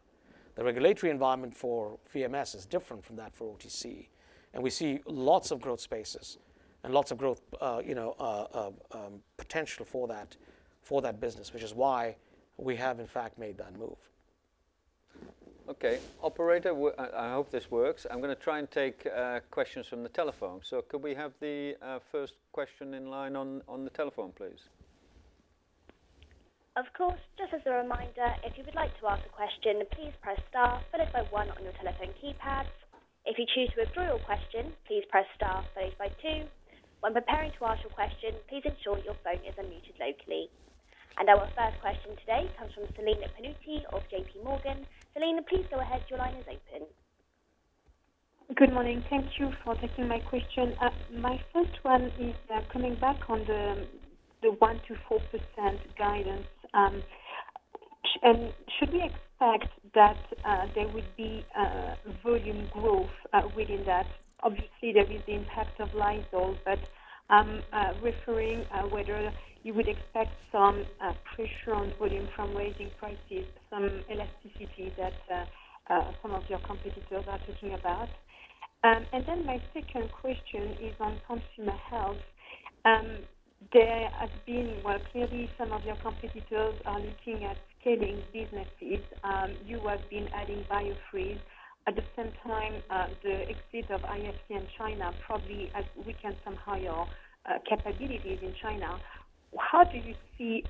The regulatory environment for VMS is different from that for OTC, and we see lots of growth spaces and lots of growth potential for that business, which is why we have in fact made that move. Okay. Operator, I hope this works. I'm gonna take questions from the telephone. Could we have the first question in line on the telephone, please? Of course. Just as a reminder, if you would like to ask a question, please press star followed by one on your telephone keypad. If you choose to withdraw your question, please press star followed by two. When preparing to ask your question, please ensure that your phone is unmuted locally. Our first question today comes from Celine Pannuti of JPMorgan. Celine, please go ahead. Your line is open. Good morning. Thank you for taking my question. My first one is coming back on the 1%-4% guidance. Should we expect that there would be volume growth within that? Obviously, there is the impact of Lysol, but referring whether you would expect some pressure on volume from raising prices, some elasticity that some of your competitors are talking about. My second question is on consumer health. There has been. Clearly some of your competitors are looking at scaling businesses. You have been adding Biofreeze. At the same time, the exit of IFCN China probably has weakened somehow your capabilities in China. How do you see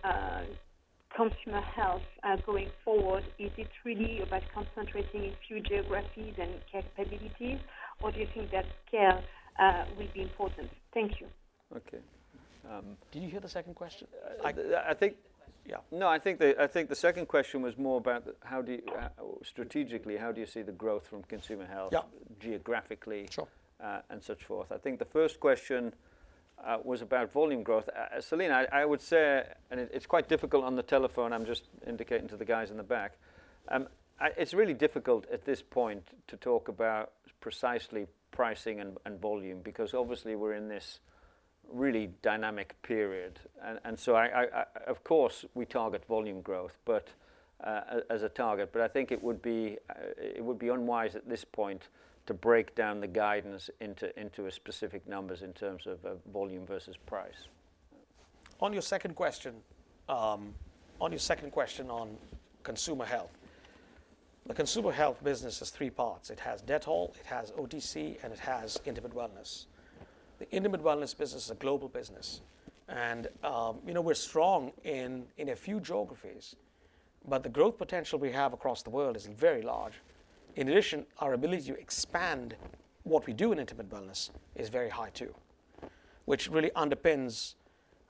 consumer health going forward? Is it really about concentrating a few geographies and capabilities, or do you think that scale will be important? Thank you. Okay. Did you hear the second question? Yeah. No, I think the second question was more about strategically, how do you see the growth from consumer health? Yeah. Geographically- Sure and so forth. I think the first question was about volume growth. As Celine, I would say it's quite difficult on the telephone. I'm just indicating to the guys in the back. It's really difficult at this point to talk about precisely pricing and volume because obviously we're in this really dynamic period. Of course, we target volume growth, but as a target, I think it would be unwise at this point to break down the guidance into specific numbers in terms of volume versus price. On your second question, on your second question on consumer health. The consumer health business has three parts. It has Dettol, it has OTC, and it has Intimate Wellness. The Intimate Wellness business is a global business, and, you know, we're strong in a few geographies, but the growth potential we have across the world is very large. In addition, our ability to expand what we do in Intimate Wellness is very high too, which really underpins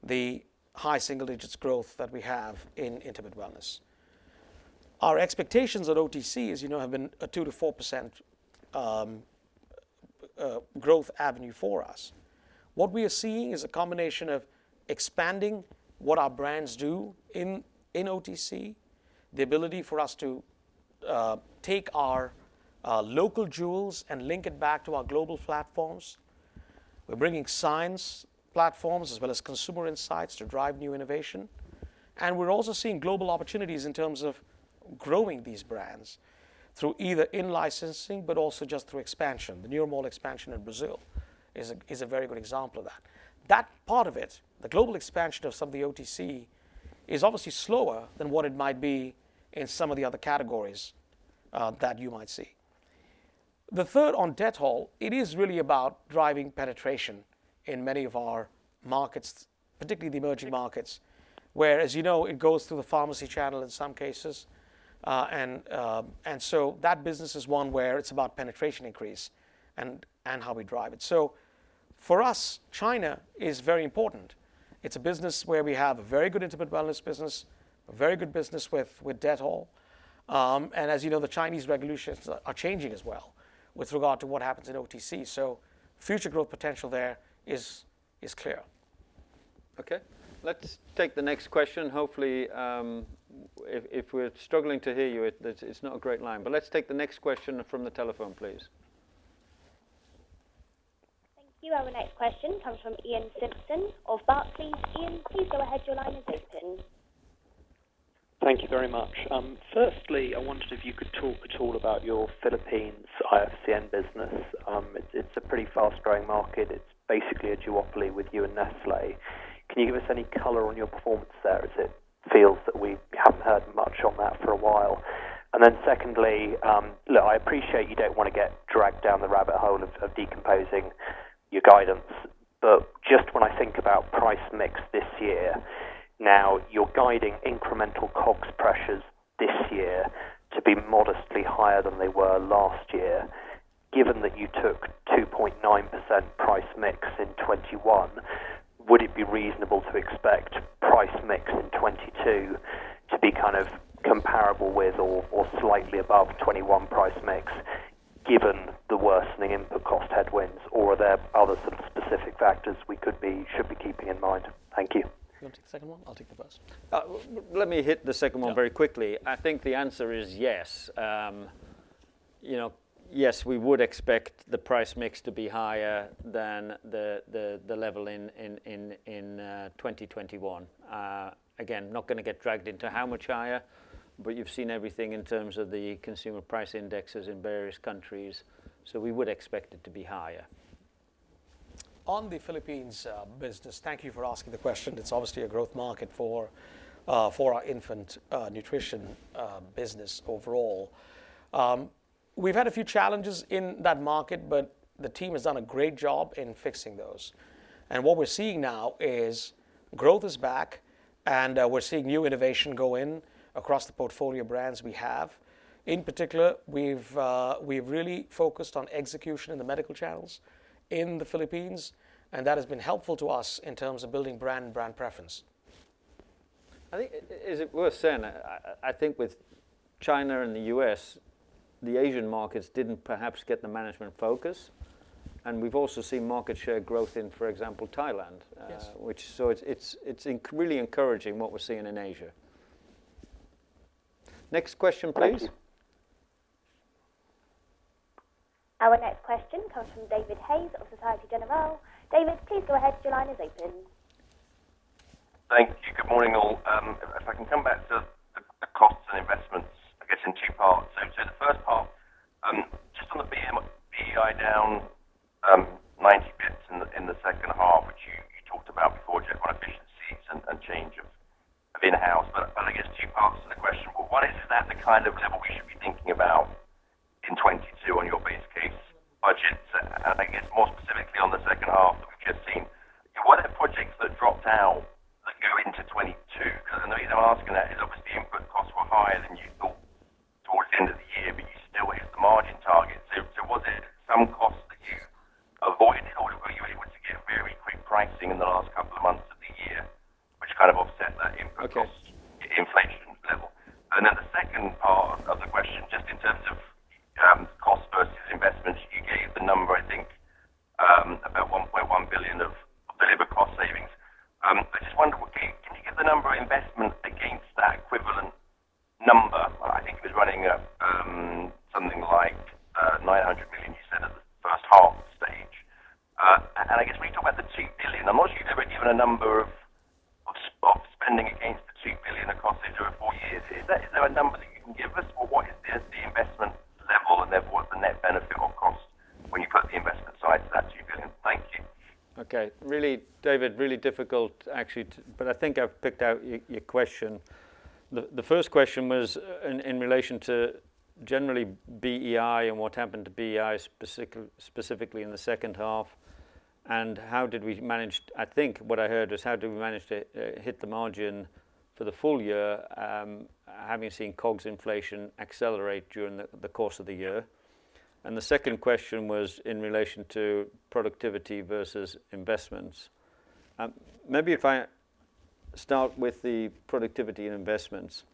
the high single digits% growth that we have in Intimate Wellness. Our expectations at OTC, as you know, have been a 2%-4% growth avenue for us. What we are seeing is a combination of expanding what our brands do in OTC, the ability for us to take our local jewels and link it back to our global platforms. We're bringing science platforms as well as consumer insights to drive new innovation, and we're also seeing global opportunities in terms of growing these brands through either in-licensing, but also just through expansion. The Nuromol expansion in Brazil is a very good example of that. That part of it, the global expansion of some of the OTC, is obviously slower than what it might be in some of the other categories that you might see. The third on Dettol, it is really about driving penetration in many of our markets, particularly the emerging markets, where, as you know, it goes through the pharmacy channel in some cases. That business is one where it's about penetration increase and how we drive it. For us, China is very important. It's a business where we have a very good Intimate Wellness business, a very good business with Dettol. As you know, the Chinese regulations are changing as well with regard to what happens in OTC, so future growth potential there is clear. Okay. Let's take the next question. Hopefully, if we're struggling to hear you, it's not a great line. Let's take the next question from the telephone, please. Thank you. Our next question comes from Iain Simpson of Barclays. Iain, please go ahead. Your line is open. Thank you very much. Firstly, I wondered if you could talk at all about your Philippines IFCN business. It's a pretty fast-growing market. It's basically a duopoly with you and Nestlé. Can you give us any color on your performance there as it feels that we haven't heard much on that for a while? Secondly, look, I appreciate you don't wanna get dragged down the rabbit hole of decomposing your guidance, but just when I think about price mix this year, now you're guiding incremental COGS pressures this year to be modestly higher than they were last year. Given that you took 2.9% price mix in 2021, would it be reasonable to expect price mix in 2022 to be kind of comparable with or slightly above 2021 price mix given the worsening input cost headwinds, or are there other sort of specific factors we could be, should be keeping in mind? Thank you. You want to take the second one? I'll take the first. Let me hit the second one very quickly. Yeah. I think the answer is yes. You know, yes, we would expect the price mix to be higher than the level in 2021. Again, not gonna get dragged into how much higher, but you've seen everything in terms of the consumer price indexes in various countries, so we would expect it to be higher. On the Philippines business, thank you for asking the question. It's obviously a growth market for our infant nutrition business overall. We've had a few challenges in that market, but the team has done a great job in fixing those. What we're seeing now is growth is back, and we're seeing new innovation go in across the portfolio brands we have. In particular, we've really focused on execution in the medical channels in the Philippines, and that has been helpful to us in terms of building brand and brand preference. I think it is worth saying. I think with China and the U.S., the Asian markets didn't perhaps get the management focus. We've also seen market share growth in, for example, Thailand. Yes. It's really encouraging what we're seeing in Asia. Next question, please. Our next question comes from David Hayes of Société Générale. David, please go ahead. Your line is open. Thank you. Good morning, all. If I can come back to the costs and investments, I guess in two parts. The first part, just on the BEI down 90 basis points in the second half, which you talked about before, Jeff, on efficiencies and change of in-house. I guess two parts to the question. Well, one, is that the kind of level we should be thinking about in 2022 on your base case budget? I guess more specifically on the second half that we've just seen. You know, what are the projects that dropped out that go into 2022? 'Cause I know in asking that is obviously input costs were higher than you thought towards the end of the year, but you still hit the margin target. Was it some costs that you avoided, or were you able to get very quick pricing in the last couple of months of the year, which kind of offset that input cost? Okay. Inflation level? The second part of the question, just in terms of cost versus investments. You gave the number, I think, about 1.1 billion of labor cost savings. I just wonder, can you give the number of investments against that equivalent number? I think it was running at something like 900 million you said at the first half stage. I guess when you talk about the 2 billion, I'm not sure you've ever given a number of spending against the 2 billion across the two or four years here. Is there a number that you can give us, or what is the investment level, and therefore the net benefit of costs when you put the investment aside to that GBP 2 billion? Thank you. Okay. Really, David, really difficult actually. I think I've picked out your question. The first question was in relation to generally BEI and what happened to BEI specifically in the second half, and I think what I heard was how did we manage to hit the margin for the full year, having seen COGS inflation accelerate during the course of the year. The second question was in relation to productivity versus investments. Maybe if I start with the productivity and investments.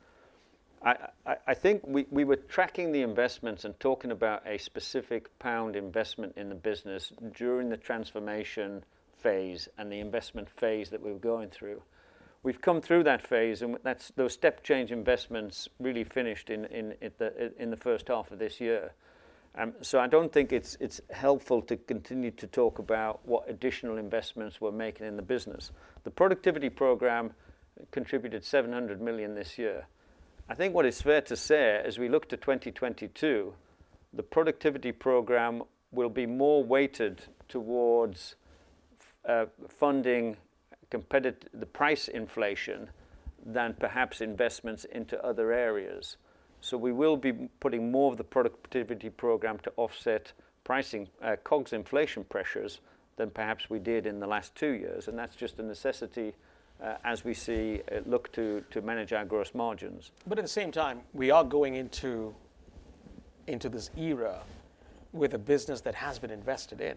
I think we were tracking the investments and talking about a specific pound investment in the business during the transformation phase and the investment phase that we were going through. We've come through that phase, those step change investments really finished in the first half of this year. I don't think it's helpful to continue to talk about what additional investments we're making in the business. The productivity program contributed 700 million this year. I think what is fair to say as we look to 2022, the productivity program will be more weighted towards funding the competitive price inflation than perhaps investments into other areas. We will be putting more of the productivity program to offset pricing, COGS inflation pressures than perhaps we did in the last two years. That's just a necessity as we look to manage our gross margins. But at the same time, we are going into this era with a business that has been invested in.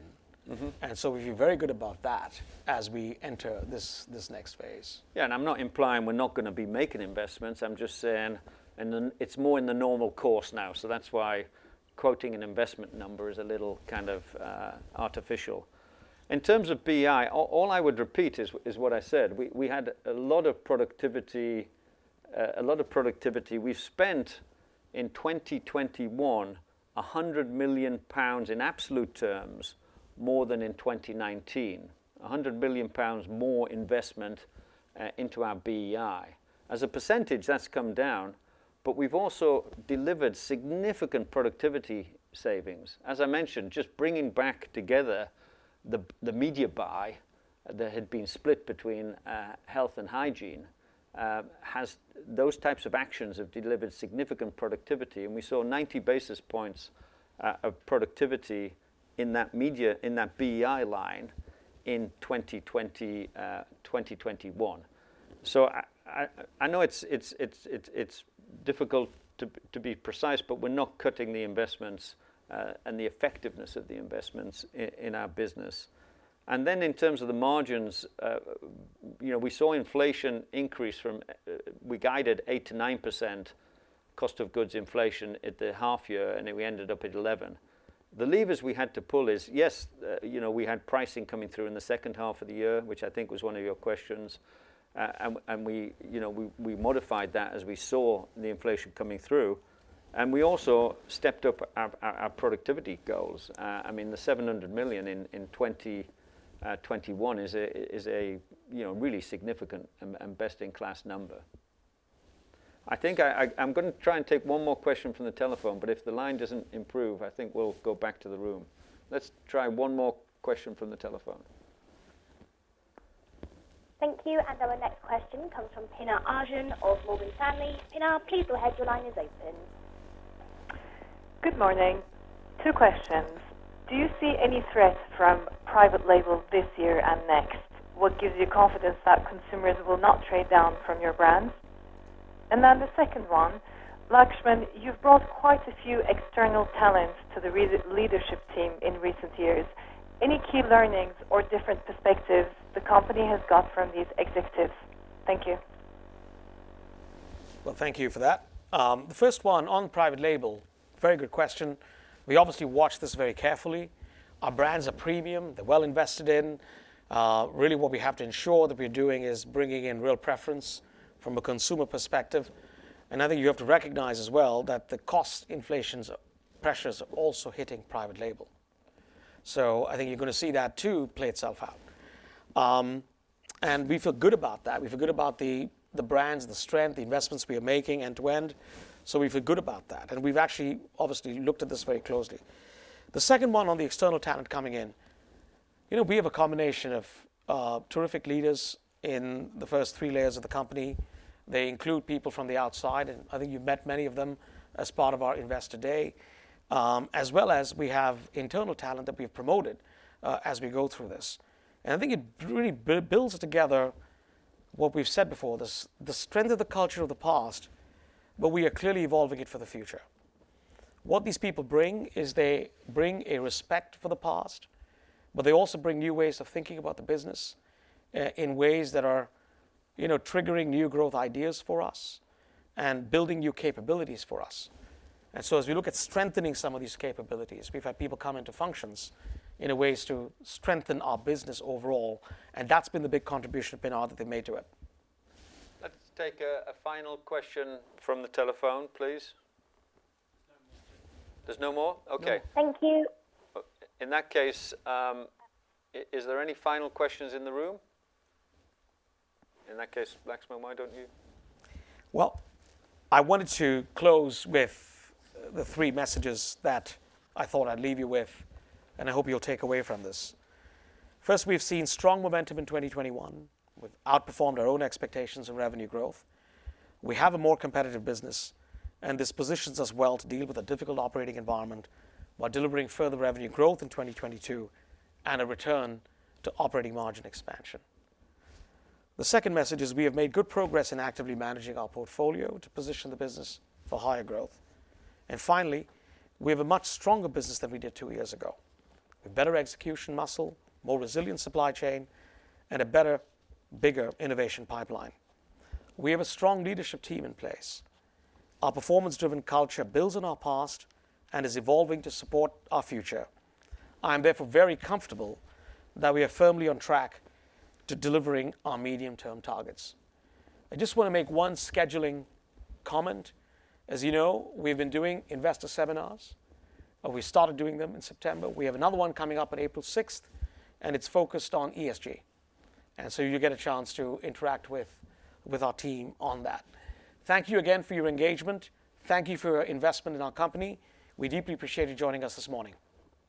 Mm-hmm. We feel very good about that as we enter this next phase. Yeah. I'm not implying we're not gonna be making investments. I'm just saying it's more in the normal course now. That's why quoting an investment number is a little kind of artificial. In terms of BEI, all I would repeat is what I said. We had a lot of productivity. We've spent, in 2021, 100 million pounds in absolute terms more than in 2019. 100 million pounds more investment into our BEI. As a percentage, that's come down, but we've also delivered significant productivity savings. As I mentioned, just bringing back together the media buy that had been split between health and hygiene has. Those types of actions have delivered significant productivity. We saw 90 basis points of productivity in that media, in that BEI line in 2020, 2021. I know it's difficult to be precise, but we're not cutting the investments and the effectiveness of the investments in our business. In terms of the margins, you know, we saw inflation increase from we guided 8%-9% cost of goods inflation at the half year, and then we ended up at 11%. The levers we had to pull is, yes, you know, we had pricing coming through in the second half of the year, which I think was one of your questions. And we, you know, we modified that as we saw the inflation coming through. We also stepped up our productivity goals. I mean, the 700 million in 2021 is a you know, really significant and best-in-class number. I think I'm gonna try and take one more question from the telephone, but if the line doesn't improve, I think we'll go back to the room. Let's try one more question from the telephone. Thank you. Our next question comes from Pinar Ergun of Morgan Stanley. Pinar, please go ahead. Your line is open. Good morning. Two questions. Do you see any threat from private label this year and next? What gives you confidence that consumers will not trade down from your brands? The second one, Laxman, you've brought quite a few external talents to the leadership team in recent years. Any key learnings or different perspectives the company has got from these executives? Thank you. Well, thank you for that. The first one on private label, very good question. We obviously watch this very carefully. Our brands are premium. They're well invested in. Really what we have to ensure that we're doing is bringing in real preference from a consumer perspective. Another thing you have to recognize as well, that the cost inflation's pressures are also hitting private label. I think you're gonna see that too play itself out. We feel good about that. We feel good about the brands, the strength, the investments we are making end to end. We feel good about that, and we've actually, obviously, looked at this very closely. The second one on the external talent coming in, you know, we have a combination of terrific leaders in the first three layers of the company. They include people from the outside, and I think you've met many of them as part of our Investor Day, as well as we have internal talent that we've promoted, as we go through this. I think it really builds together what we've said before, the strength of the culture of the past, but we are clearly evolving it for the future. What these people bring is they bring a respect for the past, but they also bring new ways of thinking about the business, in ways that are, you know, triggering new growth ideas for us and building new capabilities for us. As we look at strengthening some of these capabilities, we've had people come into functions in ways to strengthen our business overall, and that's been the big contribution, Pinar, that they've made to it. Let's take a final question from the telephone, please. There's no more? Okay. Thank you. In that case, is there any final questions in the room? In that case, Laxman, why don't you. Well, I wanted to close with the three messages that I thought I'd leave you with, and I hope you'll take away from this. First, we've seen strong momentum in 2021. We've outperformed our own expectations of revenue growth. We have a more competitive business, and this positions us well to deal with a difficult operating environment while delivering further revenue growth in 2022 and a return to operating margin expansion. The second message is we have made good progress in actively managing our portfolio to position the business for higher growth. Finally, we have a much stronger business than we did two years ago, with better execution muscle, more resilient supply chain, and a better, bigger innovation pipeline. We have a strong leadership team in place. Our performance-driven culture builds on our past and is evolving to support our future. I am therefore very comfortable that we are firmly on track to delivering our medium-term targets. I just wanna make one scheduling comment. As you know, we've been doing investor seminars, and we started doing them in September. We have another one coming up on April 6th, and it's focused on ESG. You'll get a chance to interact with our team on that. Thank you again for your engagement. Thank you for your investment in our company. We deeply appreciate you joining us this morning.